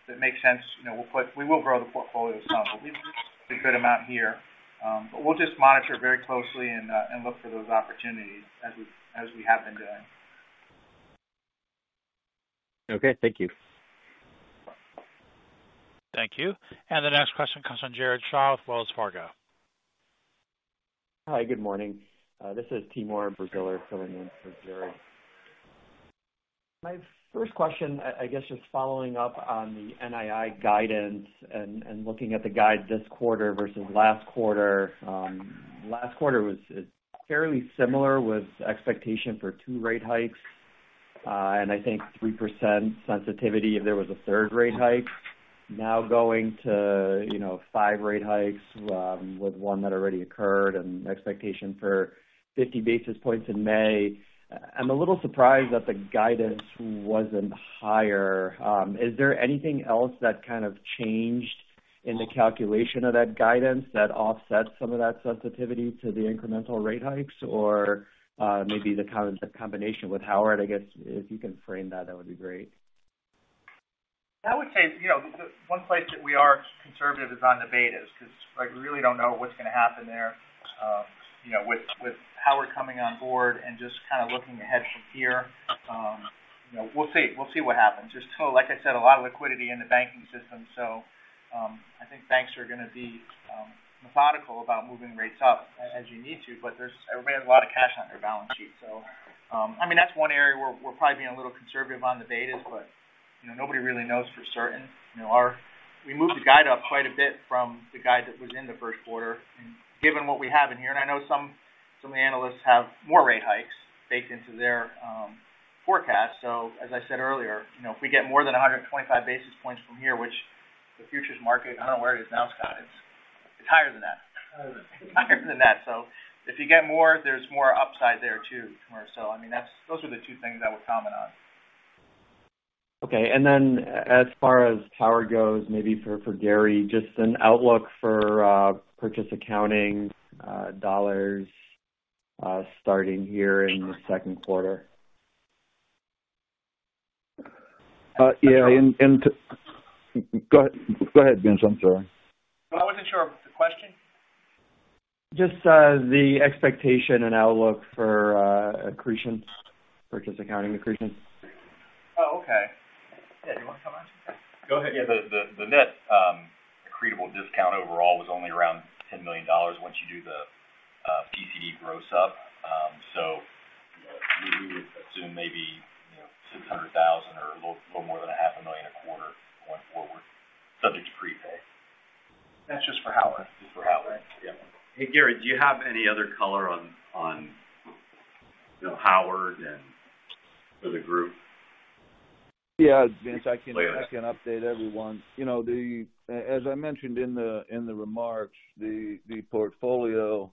if it makes sense, you know, we will grow the portfolio some, but we've a good amount here. We'll just monitor very closely and look for those opportunities as we have been doing. Okay, thank you. Thank you. The next question comes from Jared Shaw with Wells Fargo. Hi, good morning. This is Timur Braziler filling in for Jared. My first question, I guess just following up on the NII guidance and looking at the guide this quarter versus last quarter. Last quarter is fairly similar with expectation for two rate hikes, and I think 3% sensitivity if there was a third rate hike. Now going to, you know, five rate hikes, with one that already occurred and expectation for 50 basis points in May. I'm a little surprised that the guidance wasn't higher. Is there anything else that kind of changed in the calculation of that guidance that offsets some of that sensitivity to the incremental rate hikes? Or maybe the combination with Howard? I guess if you can frame that would be great. I would say, you know, the one place that we are conservative is on the betas, because I really don't know what's going to happen there. You know, with Howard coming on board and just kind of looking ahead from here, you know, we'll see what happens. There's still, like I said, a lot of liquidity in the banking system, so I think banks are going to be methodical about moving rates up as you need to. But everybody has a lot of cash on their balance sheet. So, I mean, that's one area where we're probably being a little conservative on the betas, but, you know, nobody really knows for certain. You know, we moved the guide up from the guide that was in the first quarter, and given what we have in here, and I know some analysts have more rate hikes baked into their forecast. As I said earlier, you know, if we get more than 125 basis points from here, which the futures market, I don't know where it is now, Scott, it's higher than that. Higher than that. Higher than that. If you get more, there's more upside there too. I mean, those are the two things I would comment on. Okay. As far as power goes, maybe for Gary, just an outlook for purchase accounting dollars starting here in the second quarter. Yeah. Go ahead, Vince. I'm sorry. I wasn't sure of the question. Just the expectation and outlook for accretion. Purchase accounting accretion. Oh, okay. Yeah. Do you want to comment? Go ahead. Yeah. The net accretive discount overall was only around $10 million once you do the PCD gross up. So we would assume maybe, you know, $600,000 or a little more than a half a million a quarter going forward, subject to prepay. That's just for Howard. Just for Howard. Yeah. Hey, Gary, do you have any other color on, you know, Howard and for the group? Yeah. Vince, I can update everyone. You know, as I mentioned in the remarks, the portfolio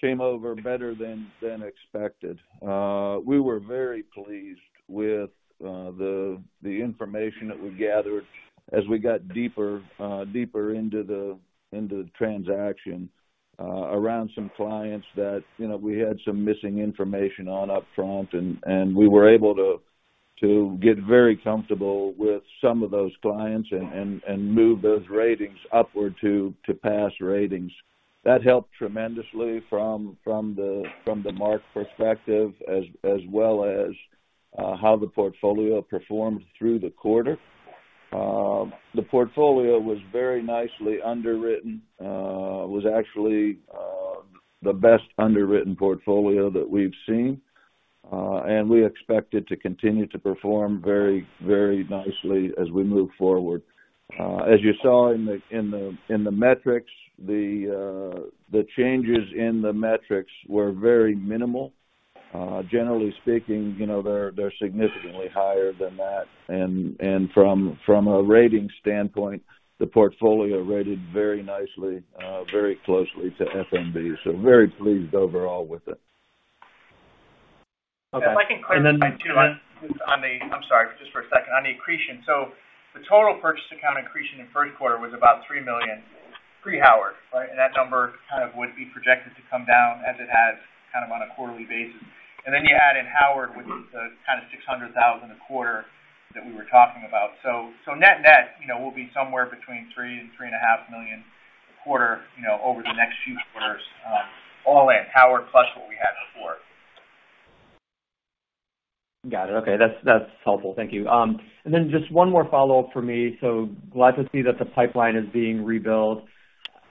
came over better than expected. We were very pleased with the information that we gathered as we got deeper into the transaction around some clients that you know we had some missing information on upfront. We were able to get very comfortable with some of those clients and move those ratings upward to pass ratings. That helped tremendously from the mark perspective as well as how the portfolio performed through the quarter. The portfolio was very nicely underwritten. It was actually the best underwritten portfolio that we've seen. We expect it to continue to perform very nicely as we move forward. As you saw in the metrics, the changes in the metrics were very minimal. Generally speaking, you know, they're significantly higher than that. From a rating standpoint, the portfolio rated very nicely, very closely to F.N.B.. Very pleased overall with it. Okay. If I can clarify too on the, I'm sorry, just for a second. On the accretion. The total purchase accounting accretion in first quarter was about $3 million pre-Howard, right? That number kind of would be projected to come down as it has kind of on a quarterly basis. Then you add in Howard, which is the kind of $600,000 a quarter that we were talking about. So net-net, you know, we'll be somewhere between $3 million and $3.5 million a quarter, you know, over the next few quarters, all in Howard plus what we had before. Got it. Okay. That's helpful. Thank you. And then just one more follow-up for me. Glad to see that the pipeline is being rebuilt.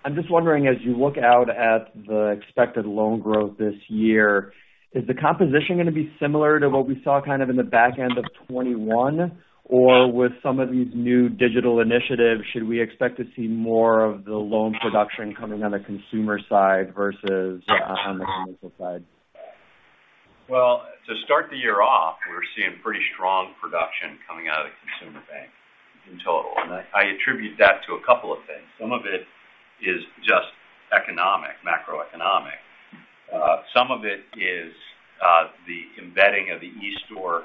I'm just wondering, as you look out at the expected loan growth this year, is the composition going to be similar to what we saw kind of in the back end of 2021? Or with some of these new digital initiatives, should we expect to see more of the loan production coming on the consumer side versus on the commercial side? Well, to start the year off, we're seeing pretty strong production coming out of the consumer bank in total, and I attribute that to a couple of things. Some of it is just economic, macroeconomic. Some of it is the embedding of the eStore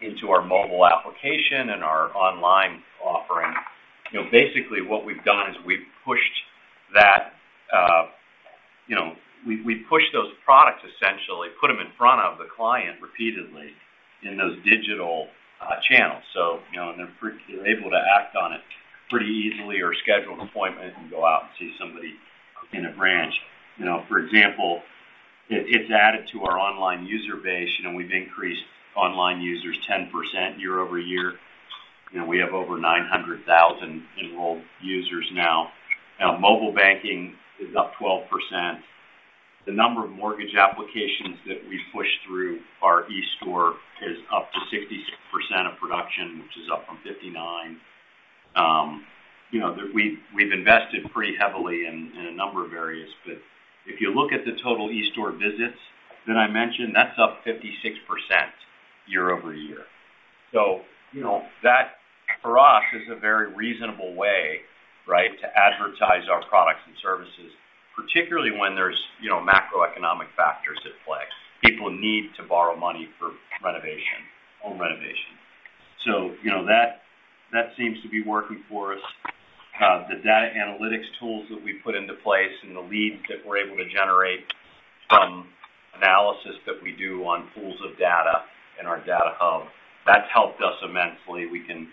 into our mobile application and our online offering. You know, basically what we've done is we've pushed that, you know, we've pushed those products, essentially put them in front of the client repeatedly in those digital channels. You know, and they're able to act on it pretty easily or schedule an appointment and go out and see somebody in a branch. You know, for example, it's added to our online user base. You know, we've increased online users 10% year-over-year. You know, we have over 900,000 enrolled users now. Now, mobile banking is up 12%. The number of mortgage applications that we've pushed through our eStore is up to 66% of production, which is up from 59%. You know, we've invested pretty heavily in a number of areas. If you look at the total eStore visits that I mentioned, that's up 56% year-over-year. You know, that for us is a very reasonable way, right, to advertise our products and services, particularly when there's, you know, macroeconomic factors at play. People need to borrow money for renovation, home renovation. You know, that seems to be working for us. The data analytics tools that we put into place and the leads that we're able to generate from analysis that we do on pools of data in our data hub, that's helped us immensely. We can,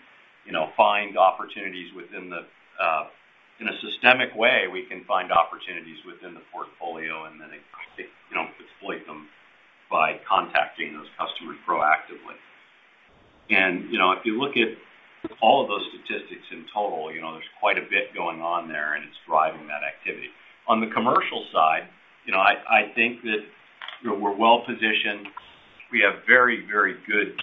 you know, find opportunities within the portfolio and then, you know, exploit them by contacting those customers proactively. You know, if you look at all of those statistics in total, you know, there's quite a bit going on there, and it's. On the commercial side, you know, I think that, you know, we're well-positioned. We have very, very good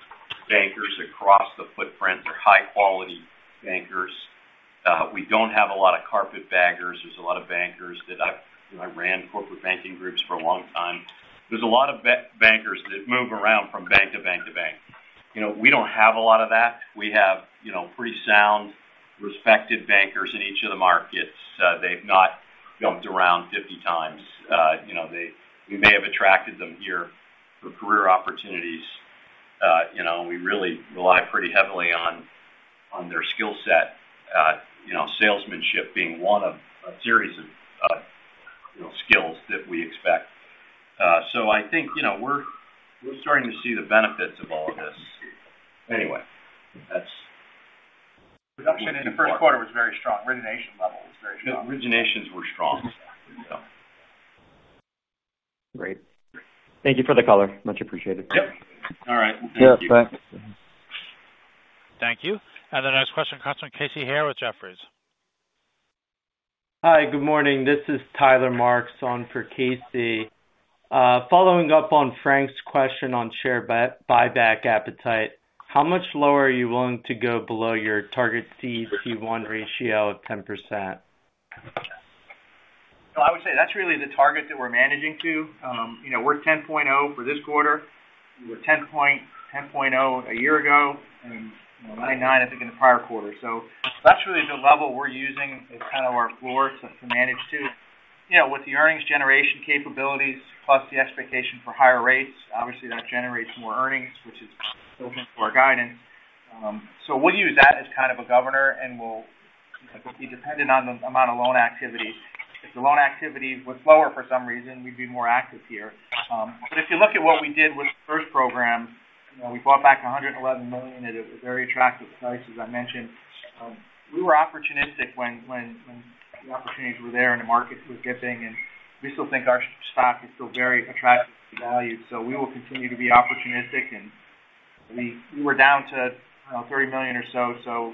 bankers across the footprint. They're high quality bankers. We don't have a lot of carpetbaggers. There's a lot of bankers that, you know, I ran corporate banking groups for a long time. There's a lot of bankers that move around from bank to bank to bank. You know, we don't have a lot of that. We have, you know, pretty sound, respected bankers in each of the markets. They've not jumped around 50 times. You know, we may have attracted them here for career opportunities. You know, we really rely pretty heavily on their skill set. You know, salesmanship being one of a series of, you know, skills that we expect. I think, you know, we're starting to see the benefits of all of this. Anyway, that's. Production in the first quarter was very strong. Origination level was very strong. The originations were strong. Great. Thank you for the color. Much appreciated. Yep. All right. Thank you. Yeah, bye. Thank you. The next question comes from Casey Haire with Jefferies. Hi. Good morning. This is Tyler Marks on for Casey. Following up on Frank's question on share buyback appetite, how much lower are you willing to go below your target CET1 ratio of 10%? I would say that's really the target that we're managing to. You know, we're 10.0% for this quarter. We were 10.0% a year ago, and 9%, I think, in the prior quarter. That's really the level we're using as kind of our floor to manage to. You know, with the earnings generation capabilities plus the expectation for higher rates, obviously that generates more earnings, which is built into our guidance. We'll use that as kind of a governor, and we'll, it'll be dependent on the amount of loan activity. If the loan activity was lower for some reason, we'd be more active here. If you look at what we did with the first program, you know, we bought back $111 million at a very attractive price, as I mentioned. We were opportunistic when the opportunities were there and the market was dipping, and we still think our stock is still very attractively valued. We will continue to be opportunistic. We're down to $30 million or so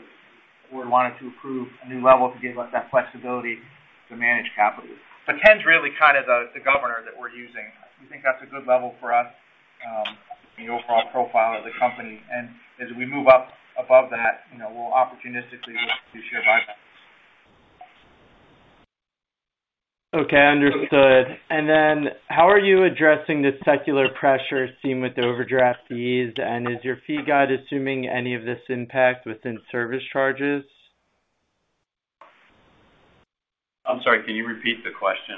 we're wanting to approve a new level to give us that flexibility to manage capital. 10's really kind of the governor that we're using. We think that's a good level for us, the overall profile of the company. As we move up above that, you know, we'll opportunistically look to do share buyback. Okay. Understood. How are you addressing the secular pressure seen with the overdraft fees, and is your fee guide assuming any of this impact within service charges? I'm sorry, can you repeat the question?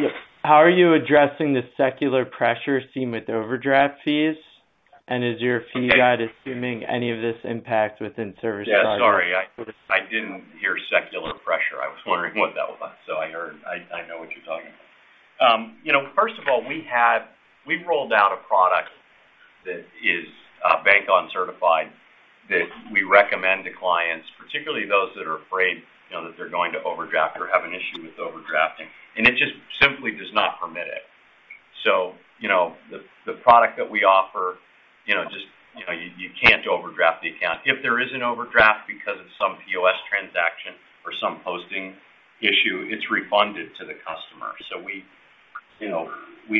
Yes. How are you addressing the secular pressure seen with overdraft fees, and is your fee guide assuming any of this impact within service charges? Yeah, sorry. I didn't hear secular pressure. I was wondering what that was. I know what you're talking about. You know, first of all, we've rolled out a product that is Bank On certified that we recommend to clients, particularly those that are afraid, you know, that they're going to overdraft or have an issue with overdrafting. It just simply does not permit it. You know, the product that we offer, you know, just you know you can't overdraft the account. If there is an overdraft because of some POS transaction or some posting issue, it's refunded to the customer. We you know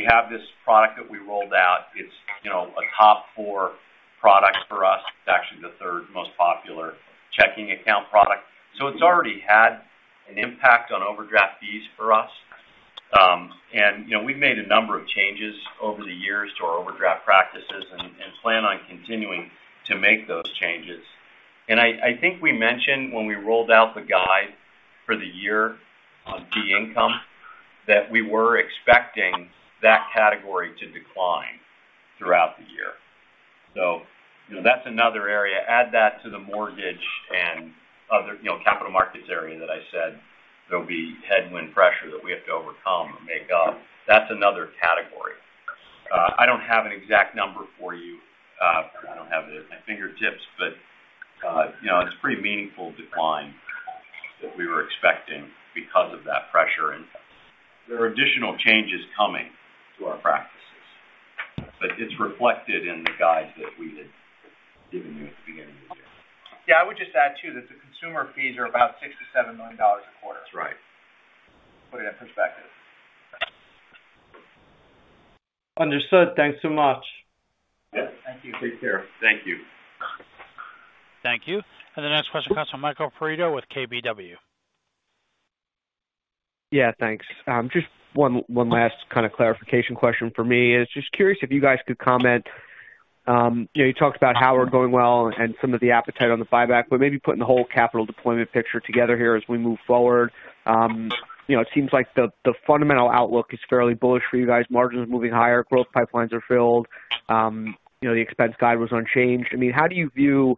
have this product that we rolled out. It's you know a top-four product for us. It's actually the third most popular checking account product. It's already had an impact on overdraft fees for us. You know, we've made a number of changes over the years to our overdraft practices and plan on continuing to make those changes. I think we mentioned when we rolled out the guide for the year on fee income, that we were expecting that category to decline throughout the year. You know, that's another area. Add that to the mortgage and other, you know, capital markets area that I said there'll be headwind pressure that we have to overcome or make up. That's another category. I don't have an exact number for you. I don't have it at my fingertips, but you know, it's pretty meaningful decline that we were expecting because of that pressure. There are additional changes coming to our practices, but it's reflected in the guides that we had given you at the beginning of the year. Yeah. I would just add, too, that the consumer fees are about $6 million-$7 million a quarter. That's right. To put it in perspective. Understood. Thanks so much. Yeah. Thank you. Take care. Thank you. Thank you. The next question comes from Michael Perito with KBW. Yeah, thanks. Just one last kind of clarification question for me. I'm just curious if you guys could comment, you know, you talked about how we're doing well and some of the appetite for the buyback, but maybe putting the whole capital deployment picture together here as we move forward. You know, it seems like the fundamental outlook is fairly bullish for you guys. Margins moving higher, growth pipelines are filled, you know, the expense guide was unchanged. I mean, how do you view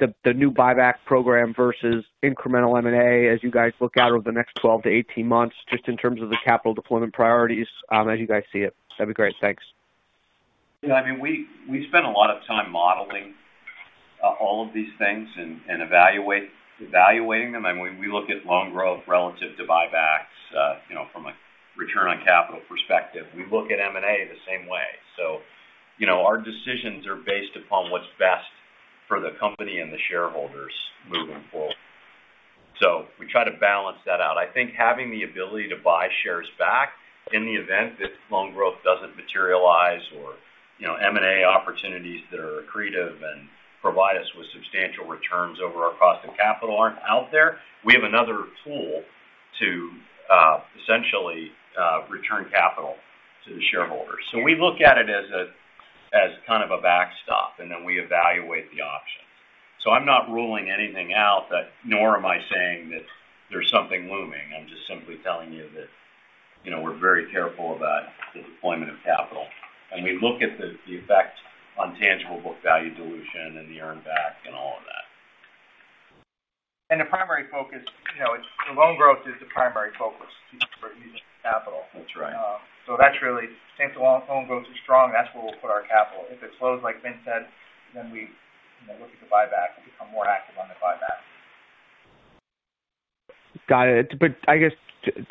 the new buyback program versus incremental M&A as you guys look out over the next 12-18 months, just in terms of the capital deployment priorities, as you guys see it? That'd be great. Thanks. Yeah. I mean, we spend a lot of time modeling all of these things and evaluating them. When we look at loan growth relative to buybacks, you know, from a return on capital perspective, we look at M&A the same way. You know, our decisions are based upon what's best for the company and the shareholders moving forward. We try to balance that out. I think having the ability to buy shares back in the event that loan growth doesn't materialize or, you know, M&A opportunities that are accretive and provide us with substantial returns over our cost of capital aren't out there. We have another tool to essentially return capital to the shareholders. We look at it as kind of a backstop, and then we evaluate the option. I'm not ruling anything out, but nor am I saying that there's something looming. I'm just simply telling you that, you know, we're very careful about the deployment of capital. We look at the effect on tangible book value dilution and the earn back and all of that. The primary focus, you know, it's the loan growth is the primary focus for using capital. That's right. Since the loan growth is strong, that's where we'll put our capital. If it slows, like Vince said, we, you know, look at the buyback and become more active on the buyback. Got it. I guess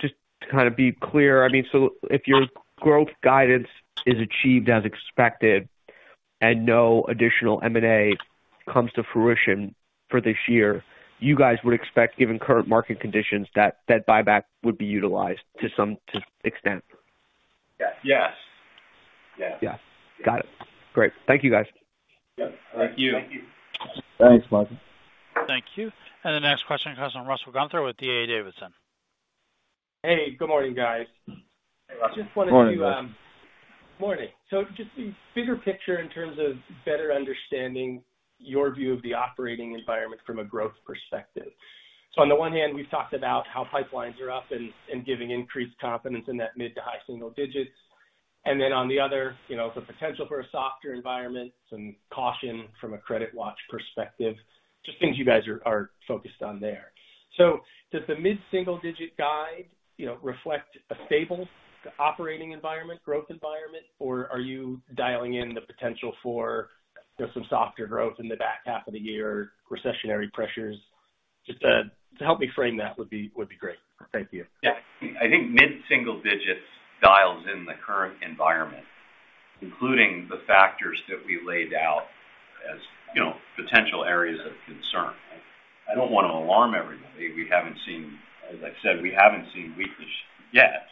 just to kind of be clear, I mean, so if your growth guidance is achieved as expected and no additional M&A comes to fruition for this year, you guys would expect, given current market conditions, that that buyback would be utilized to some extent. Yes. Yes. Yes. Got it. Great. Thank you, guys. Yep. Thank you. Thank you. Thanks, Michael. Thank you. The next question comes from Russell Gunther with D.A. Davidson. Hey, good morning, guys. Hey, Russell. Morning, Russell. Morning. Just the bigger picture in terms of better understanding your view of the operating environment from a growth perspective. On the one hand, we've talked about how pipelines are up and giving increased confidence in that mid- to high-single-digits. Then on the other, you know, the potential for a softer environment, some caution from a credit watch perspective, just things you guys are focused on there. Does the mid-single-digit guide, you know, reflect a stable operating environment, growth environment, or are you dialing in the potential for, you know, some softer growth in the back half of the year, recessionary pressures? Just to help me frame that would be great. Thank you. Yeah. I think mid-single digits dials in the current environment, including the factors that we laid out as, you know, potential areas of concern. I don't want to alarm everybody. We haven't seen, as I said, weakness yet,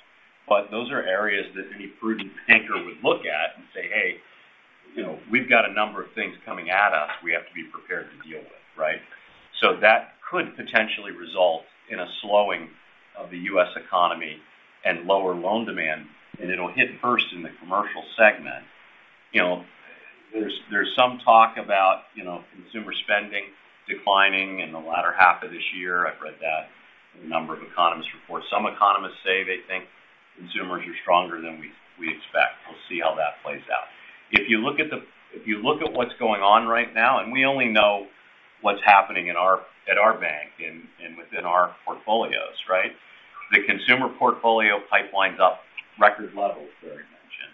but those are areas that any prudent banker would look at and say, "Hey, you know, we've got a number of things coming at us we have to be prepared to deal with." Right? That could potentially result in a slowing of the U.S. economy and lower loan demand, and it'll hit first in the commercial segment. You know, there's some talk about, you know, consumer spending declining in the latter half of this year. I've read that in a number of economists' reports. Some economists say they think consumers are stronger than we expect. We'll see how that plays out. If you look at what's going on right now, and we only know what's happening at our bank and within our portfolios, right? The consumer portfolio pipeline's up record levels, Gary mentioned.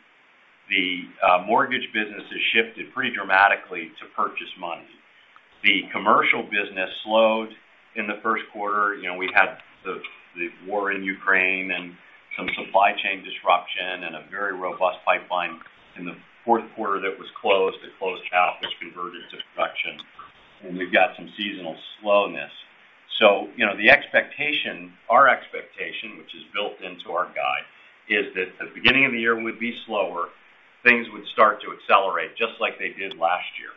The mortgage business has shifted pretty dramatically to purchase money. The commercial business slowed in the first quarter. You know, we had the war in Ukraine and some supply chain disruption and a very robust pipeline in the fourth quarter that was closed. It closed out, which converted to production, and we've got some seasonal slowness. You know, our expectation, which is built into our guide, is that the beginning of the year would be slower. Things would start to accelerate just like they did last year.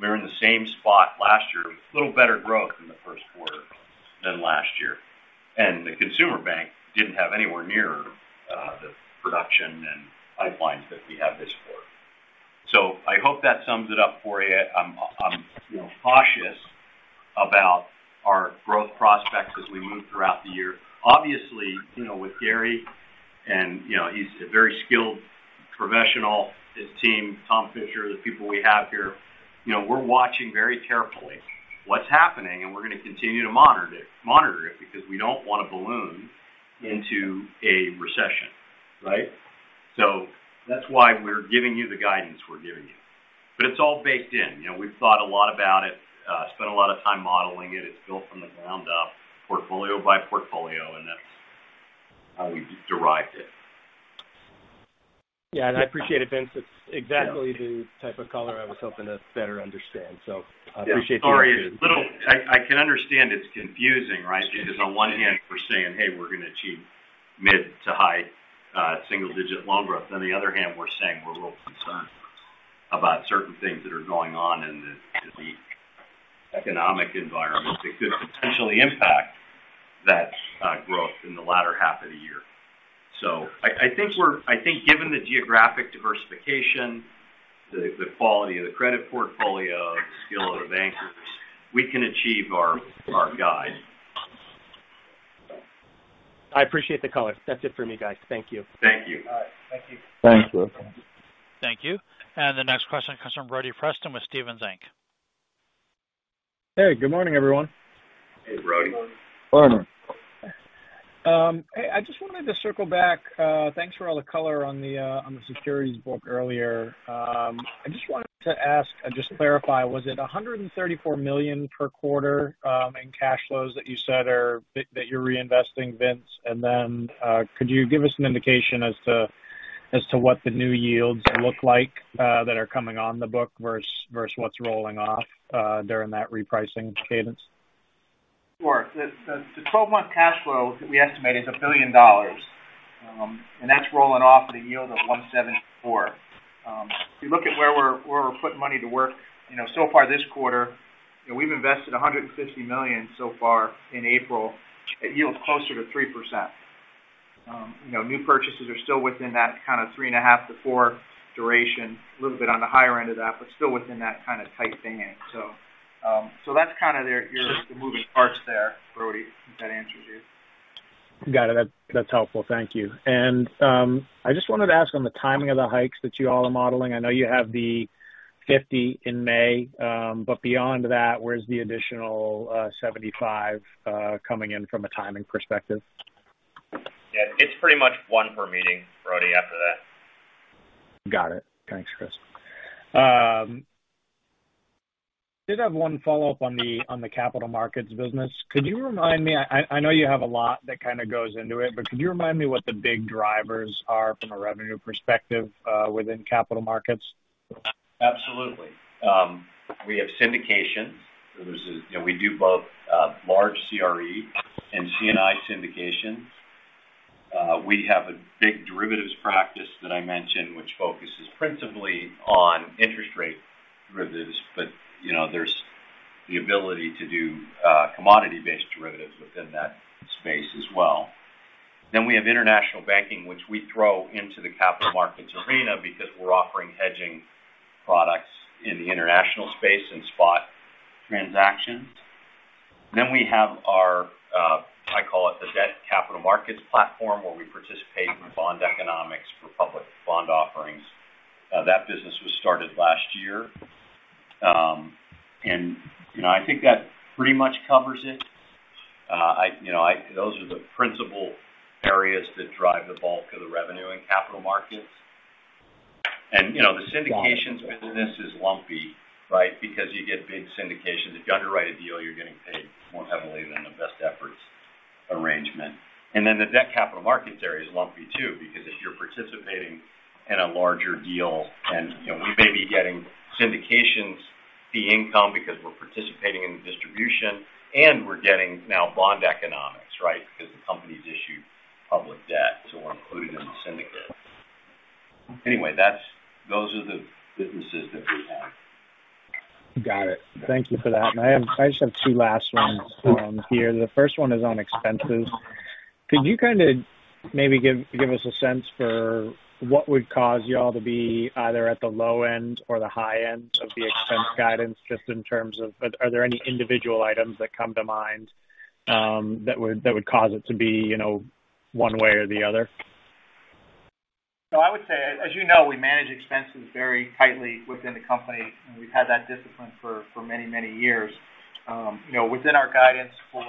We were in the same spot last year with a little better growth in the first quarter than last year. The consumer bank didn't have anywhere near the production and pipelines that we have this quarter. I hope that sums it up for you. I'm you know cautious about our growth prospects as we move throughout the year. Obviously you know with Gary and you know he's a very skilled professional. His team, Thomas Fisher, the people we have here you know we're watching very carefully what's happening, and we're going to continue to monitor it because we don't want to balloon into a recession, right? That's why we're giving you the guidance we're giving you. It's all baked in. You know we've thought a lot about it, spent a lot of time modeling it. It's built from the ground up portfolio by portfolio, and that's how we derived it. Yeah. I appreciate it, Vince. It's exactly the type of color I was hoping to better understand. I appreciate the input. Sorry. I can understand it's confusing, right? Because on one hand, we're saying, "Hey, we're going to achieve mid- to high- single digit loan growth." On the other hand, we're saying we're a little concerned about certain things that are going on in the economic environment that could potentially impact that growth in the latter half of the year. I think given the geographic diversification, the quality of the credit portfolio, the skill of our bankers, we can achieve our guide. I appreciate the color. That's it for me, guys. Thank you. Thank you. All right. Thank you. Thanks, Russell. Thank you. The next question comes from Brody Preston with Stephens Inc. Hey, good morning, everyone. Hey, Brody. Morning. Hey, I just wanted to circle back. Thanks for all the color on the securities book earlier. I just wanted to ask and just clarify, was it $134 million per quarter in cash flows that you're reinvesting, Vince? Could you give us an indication as to, as to what the new yields look like, that are coming on the book versus what's rolling off during that repricing cadence. Sure. The 12-month cash flow that we estimate is $1 billion, and that's rolling off at a yield of 1.74%. If you look at where we're putting money to work, you know, so far this quarter, you know, we've invested $150 million so far in April at yields closer to 3%. You know, new purchases are still within that kind of 3.5-4 duration, a little bit on the higher end of that, but still within that kind of tight band. So that's kind of the moving parts there, Brody, if that answers you. Got it. That's helpful. Thank you. I just wanted to ask on the timing of the hikes that you all are modeling. I know you have the 50 in May, but beyond that, where's the additional 75 coming in from a timing perspective? Yeah. It's pretty much one per meeting, Brody, after that. Got it. Thanks, Vince. I did have one follow-up on the capital markets business. Could you remind me, I know you have a lot that kind of goes into it, but could you remind me what the big drivers are from a revenue perspective, within capital markets? Absolutely. We have syndication. This is, you know, we do both large CRE and C&I syndication. We have a big derivatives practice that I mentioned, which focuses principally on interest rate derivatives, but, you know, there's the ability to do commodity-based derivatives within that space as well. Then we have international banking, which we throw into the capital markets arena because we're offering hedging products in the international space and spot transactions. Then we have our I call it the debt capital markets platform, where we participate in bond economics for public bond offerings. That business was started last year. And, you know, I think that pretty much covers it. You know, those are the principal areas that drive the bulk of the revenue in capital markets. You know, the syndications business is lumpy, right? Because you get big syndications. If you underwrite a deal, you're getting paid more heavily than the best efforts arrangement. Then the debt capital markets area is lumpy, too, because if you're participating in a larger deal, then, you know, we may be getting syndications fee income because we're participating in the distribution, and we're getting now bond economics, right? Because the company's issued public debt, so we're included in the syndicate. Anyway, those are the businesses that we have. Got it. Thank you for that. I just have two last ones here. The first one is on expenses. Could you kind of maybe give us a sense for what would cause y'all to be either at the low end or the high end of the expense guidance, just in terms of are there any individual items that come to mind that would cause it to be, you know, one way or the other? I would say, as you know, we manage expenses very tightly within the company, and we've had that discipline for many years. You know, within our guidance for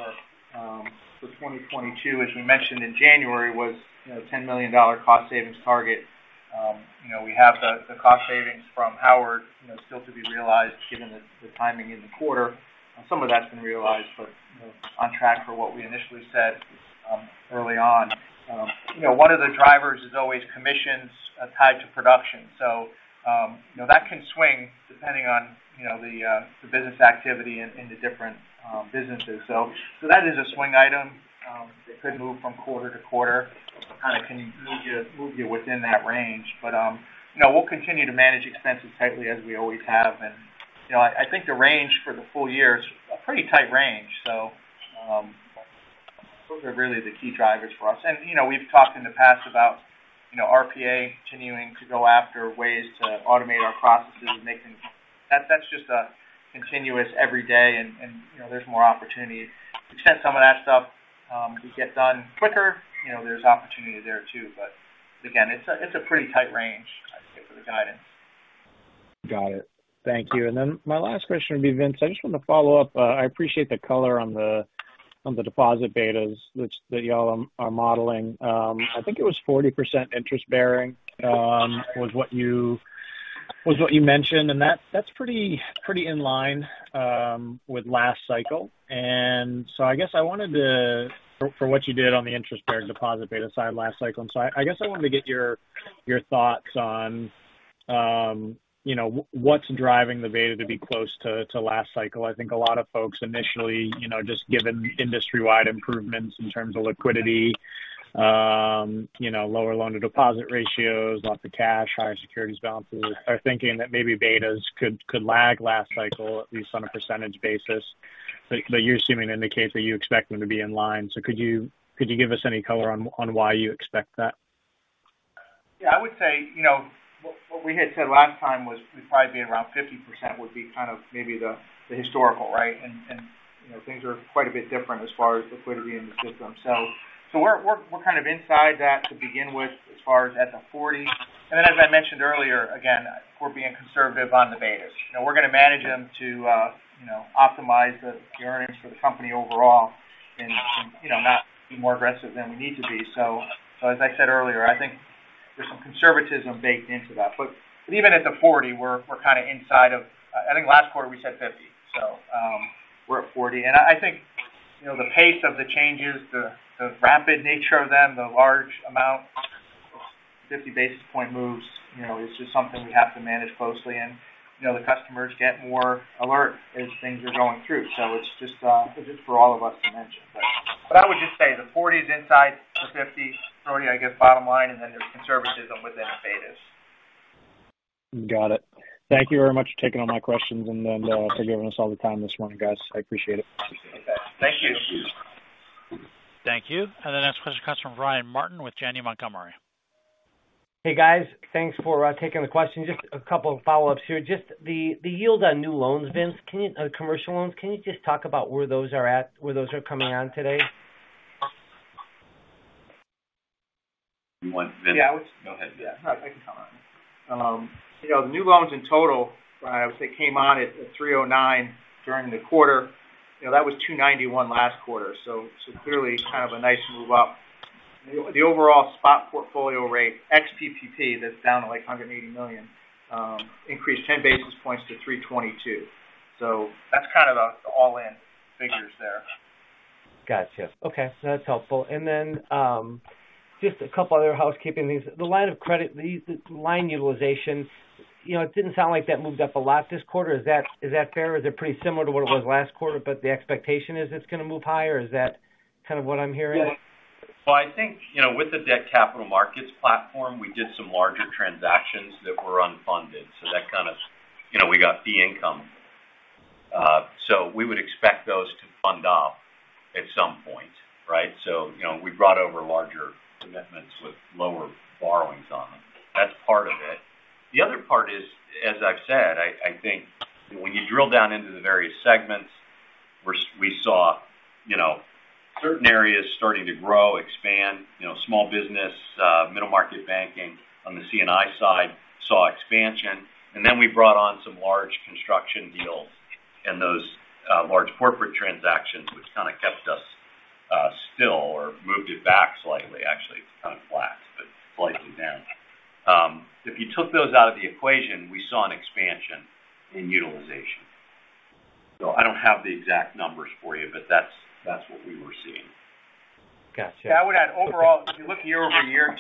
2022, as we mentioned in January, was $10 million cost savings target. You know, we have the cost savings from Howard still to be realized given the timing in the quarter. Some of that's been realized, but, you know, on track for what we initially said early on. You know, one of the drivers is always commissions tied to production. So, you know, that can swing depending on the business activity in the different businesses. So that is a swing item. It could move from quarter to quarter, kind of can move you within that range. You know, we'll continue to manage expenses tightly as we always have. You know, I think the range for the full year is a pretty tight range. Those are really the key drivers for us. You know, we've talked in the past about, you know, RPA continuing to go after ways to automate our processes. That's just a continuous every day and, you know, there's more opportunity. To the extent some of that stuff can get done quicker, you know, there's opportunity there, too. Again, it's a pretty tight range, I'd say, for the guidance. Got it. Thank you. My last question would be, Vince, I just want to follow up. I appreciate the color on the deposit betas, which y'all are modeling. I think it was 40% interest-bearing was what you mentioned. That's pretty in line with last cycle. I guess I wanted to get your thoughts on, you know, what's driving the beta to be close to last cycle. I think a lot of folks initially, you know, just given industry-wide improvements in terms of liquidity, you know, lower loan to deposit ratios, lots of cash, higher securities balances, are thinking that maybe betas could lag last cycle, at least on a percentage basis. You're assuming in the case that you expect them to be in line. Could you give us any color on why you expect that? Yeah. I would say, you know, what we had said last time was we'd probably be around 50% would be kind of maybe the historical, right? You know, things are quite a bit different as far as liquidity in the system. We're kind of inside that to begin with, as far as at the 40. Then as I mentioned earlier, again, we're being conservative on the betas. You know, we're going to manage them to, you know, optimize the earnings for the company overall and, you know, not be more aggressive than we need to be. As I said earlier, I think there's some conservatism baked into that. Even at the 40, we're kind of inside of it. I think last quarter we said 50. We're at 40. I think. You know, the pace of the changes, the rapid nature of them, the large amount, 50 basis point moves, you know, it's just something we have to manage closely and, you know, the customers get more alert as things are going through. It's just for all of us to mention. I would just say the 40 is inside the 50. 30, I guess, bottom line, and then there's conservatism within the betas. Got it. Thank you very much for taking all my questions and then for giving us all the time this morning, guys. I appreciate it. Okay. Thank you. Thank you. The next question comes from Brian Martin with Janney Montgomery. Hey, guys. Thanks for taking the question. Just a couple of follow-ups here. Just the yield on new loans, Vince, commercial loans, can you just talk about where those are at, where those are coming on today? You want Vince? Yeah. Go ahead. Yeah. No, I can comment. You know, the new loans in total, Brian, I would say, came on at 309 during the quarter. You know, that was 291 last quarter. So clearly kind of a nice move up. The overall spot portfolio rate, ex-PPP, that's down to, like, $180 million, increased 10 basis points to 322. So that's kind of the all-in figures there. Gotcha. Okay. That's helpful. Just a couple other housekeeping things. The line of credit, the line utilization, you know, it didn't sound like that moved up a lot this quarter. Is that fair? Is it pretty similar to what it was last quarter, but the expectation is it's going to move higher? Is that kind of what I'm hearing? Well, I think, you know, with the debt capital markets platform, we did some larger transactions that were unfunded. So that kind of, you know, we got fee income. So we would expect those to fund off at some point, right? So, you know, we brought over larger commitments with lower borrowings on them. That's part of it. The other part is, as I've said, I think when you drill down into the various segments, we saw, you know, certain areas starting to grow, expand, you know, small business, middle market banking on the C&I side saw expansion. Then we brought on some large construction deals and those large corporate transactions, which kind of kept us still or moved it back slightly. Actually, it's kind of flat, but slightly down. If you took those out of the equation, we saw an expansion in utilization. I don't have the exact numbers for you, but that's what we were seeing. Gotcha. Yeah. I would add overall, if you look year-over-year,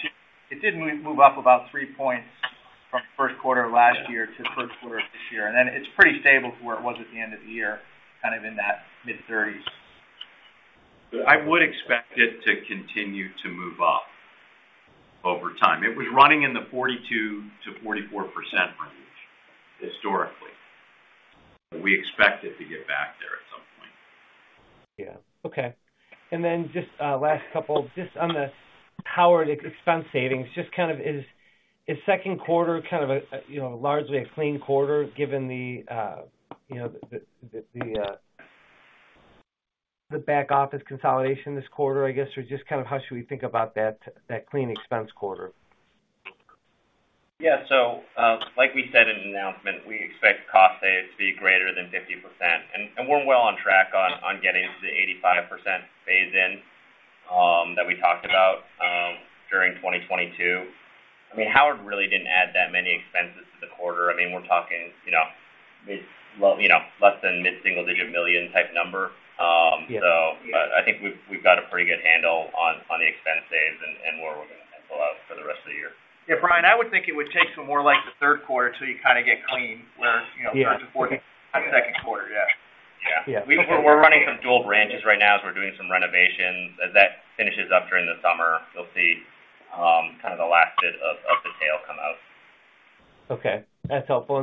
it did move up about 3 points from first quarter of last year to first quarter of this year. Then it's pretty stable to where it was at the end of the year, kind of in that mid-30s. I would expect it to continue to move up over time. It was running in the 42%-44% range historically. We expect it to get back there at some point. Yeah. Okay. Just a last couple, just on the Howard expense savings, just kind of is second quarter kind of a, you know, largely a clean quarter given the, you know, the back office consolidation this quarter, I guess, or just kind of how should we think about that clean expense quarter? Yeah. Like we said in the announcement, we expect cost savings to be greater than 50%, and we're well on track getting to the 85% phase in that we talked about during 2022. I mean, Howard really didn't add that many expenses to the quarter. I mean, we're talking, you know, well, you know, less than mid-single-digit million type number. Yeah. I think we've got a pretty good handle on the expense saves and where we're going to end up for the rest of the year. Yeah, Brian, I would think it would take some more like the third quarter till you kind of get clean where, you know. Yeah. Starting the fourth and second quarter. Yeah. Yeah. Yeah. We're running some dual branches right now as we're doing some renovations. As that finishes up during the summer, you'll see kind of the last bit of the tail come out. Okay. That's helpful.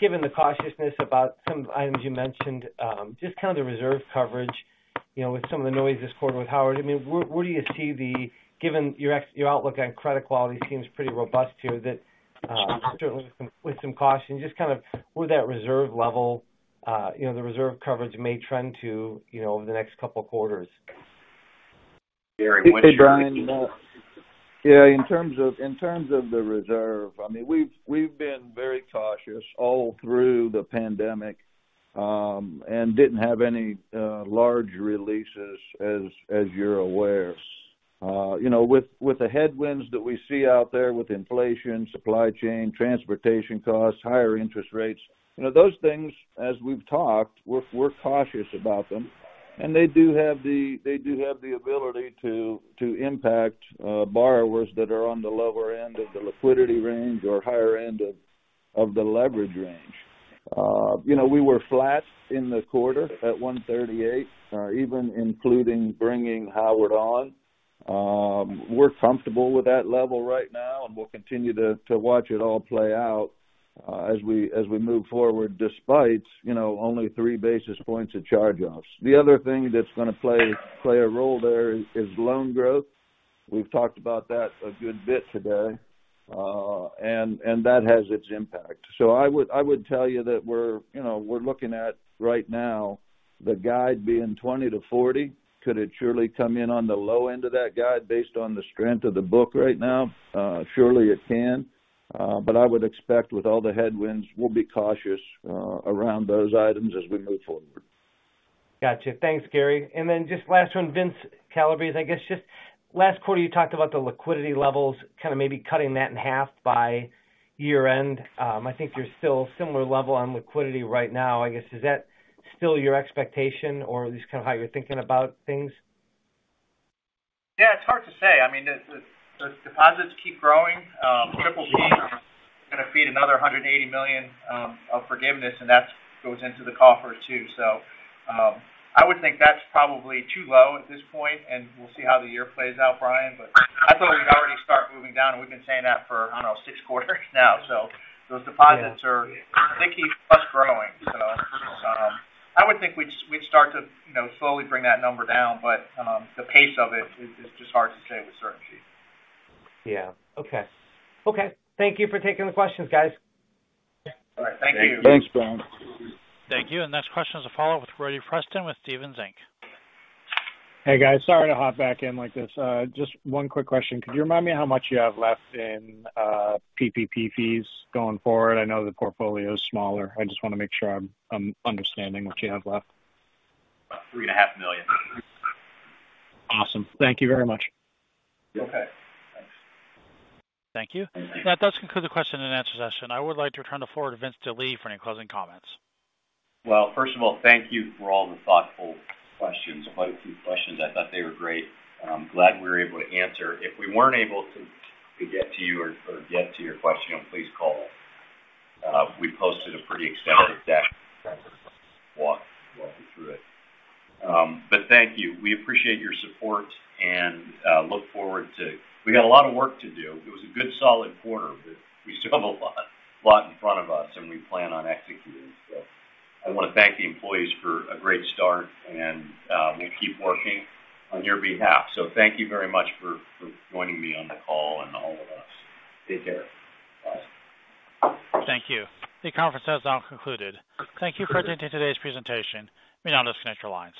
Given the cautiousness about some items you mentioned, just kind of the reserve coverage, you know, with some of the noise this quarter with Howard, I mean, where do you see, given your outlook on credit quality seems pretty robust here, that certainly with some caution, just kind of where that reserve level, you know, the reserve coverage may trend to, you know, over the next couple quarters? Very winter- Hey, Brian. Yeah, in terms of the reserve, I mean, we've been very cautious all through the pandemic and didn't have any large releases as you're aware. You know, with the headwinds that we see out there with inflation, supply chain, transportation costs, higher interest rates, you know, those things, as we've talked, we're cautious about them. They do have the ability to impact borrowers that are on the lower end of the liquidity range or higher end of the leverage range. You know, we were flat in the quarter at 138, even including bringing Howard on. We're comfortable with that level right now, and we'll continue to watch it all play out as we move forward despite, you know, only three basis points of charge-offs. The other thing that's gonna play a role there is loan growth. We've talked about that a good bit today. That has its impact. I would tell you that we're, you know, we're looking at right now the guide being 20-40. Could it surely come in on the low end of that guide based on the strength of the book right now? Surely it can. I would expect with all the headwinds, we'll be cautious around those items as we move forward. Gotcha. Thanks, Gary. Just last one, Vince Calabrese, I guess just last quarter, you talked about the liquidity levels, kind of maybe cutting that in half by year-end. I think you're still similar level on liquidity right now. I guess, is that still your expectation or at least kind of how you're thinking about things? Yeah, it's hard to say. I mean, the deposits keep growing. PPP are gonna feed another $180 million of forgiveness, and that goes into the coffers too. I would think that's probably too low at this point, and we'll see how the year plays out, Brian. I thought we'd already start moving down, and we've been saying that for, I don't know, six quarters now. Those deposits, they keep us growing. I would think we'd start to, you know, slowly bring that number down, but the pace of it is just hard to say with certainty. Yeah. Okay. Thank you for taking the questions, guys. All right. Thank you. Thanks, Brian. Thank you. Next question is a follow-up with Brody Preston with Stephens Inc. Hey, guys. Sorry to hop back in like this. Just one quick question. Could you remind me how much you have left in PPP fees going forward? I know the portfolio is smaller. I just wanna make sure I'm understanding what you have left. About $3.5 million. Awesome. Thank you very much. Okay. Thanks. Thank you. That does conclude the question-and-answer session. I would like to turn the floor to Vince Delie for any closing comments. Well, first of all, thank you for all the thoughtful questions, quite a few questions. I thought they were great. I'm glad we were able to answer. If we weren't able to get to you or get to your question, please call. We posted a pretty extensive deck walkthrough. But thank you. We appreciate your support and look forward to. We got a lot of work to do. It was a good solid quarter, but we still have a lot in front of us and we plan on executing. I wanna thank the employees for a great start and we'll keep working on your behalf. Thank you very much for joining me on the call and all of us. Take care. Bye. Thank you. The conference has now concluded. Thank you for attending today's presentation. You may now disconnect your lines.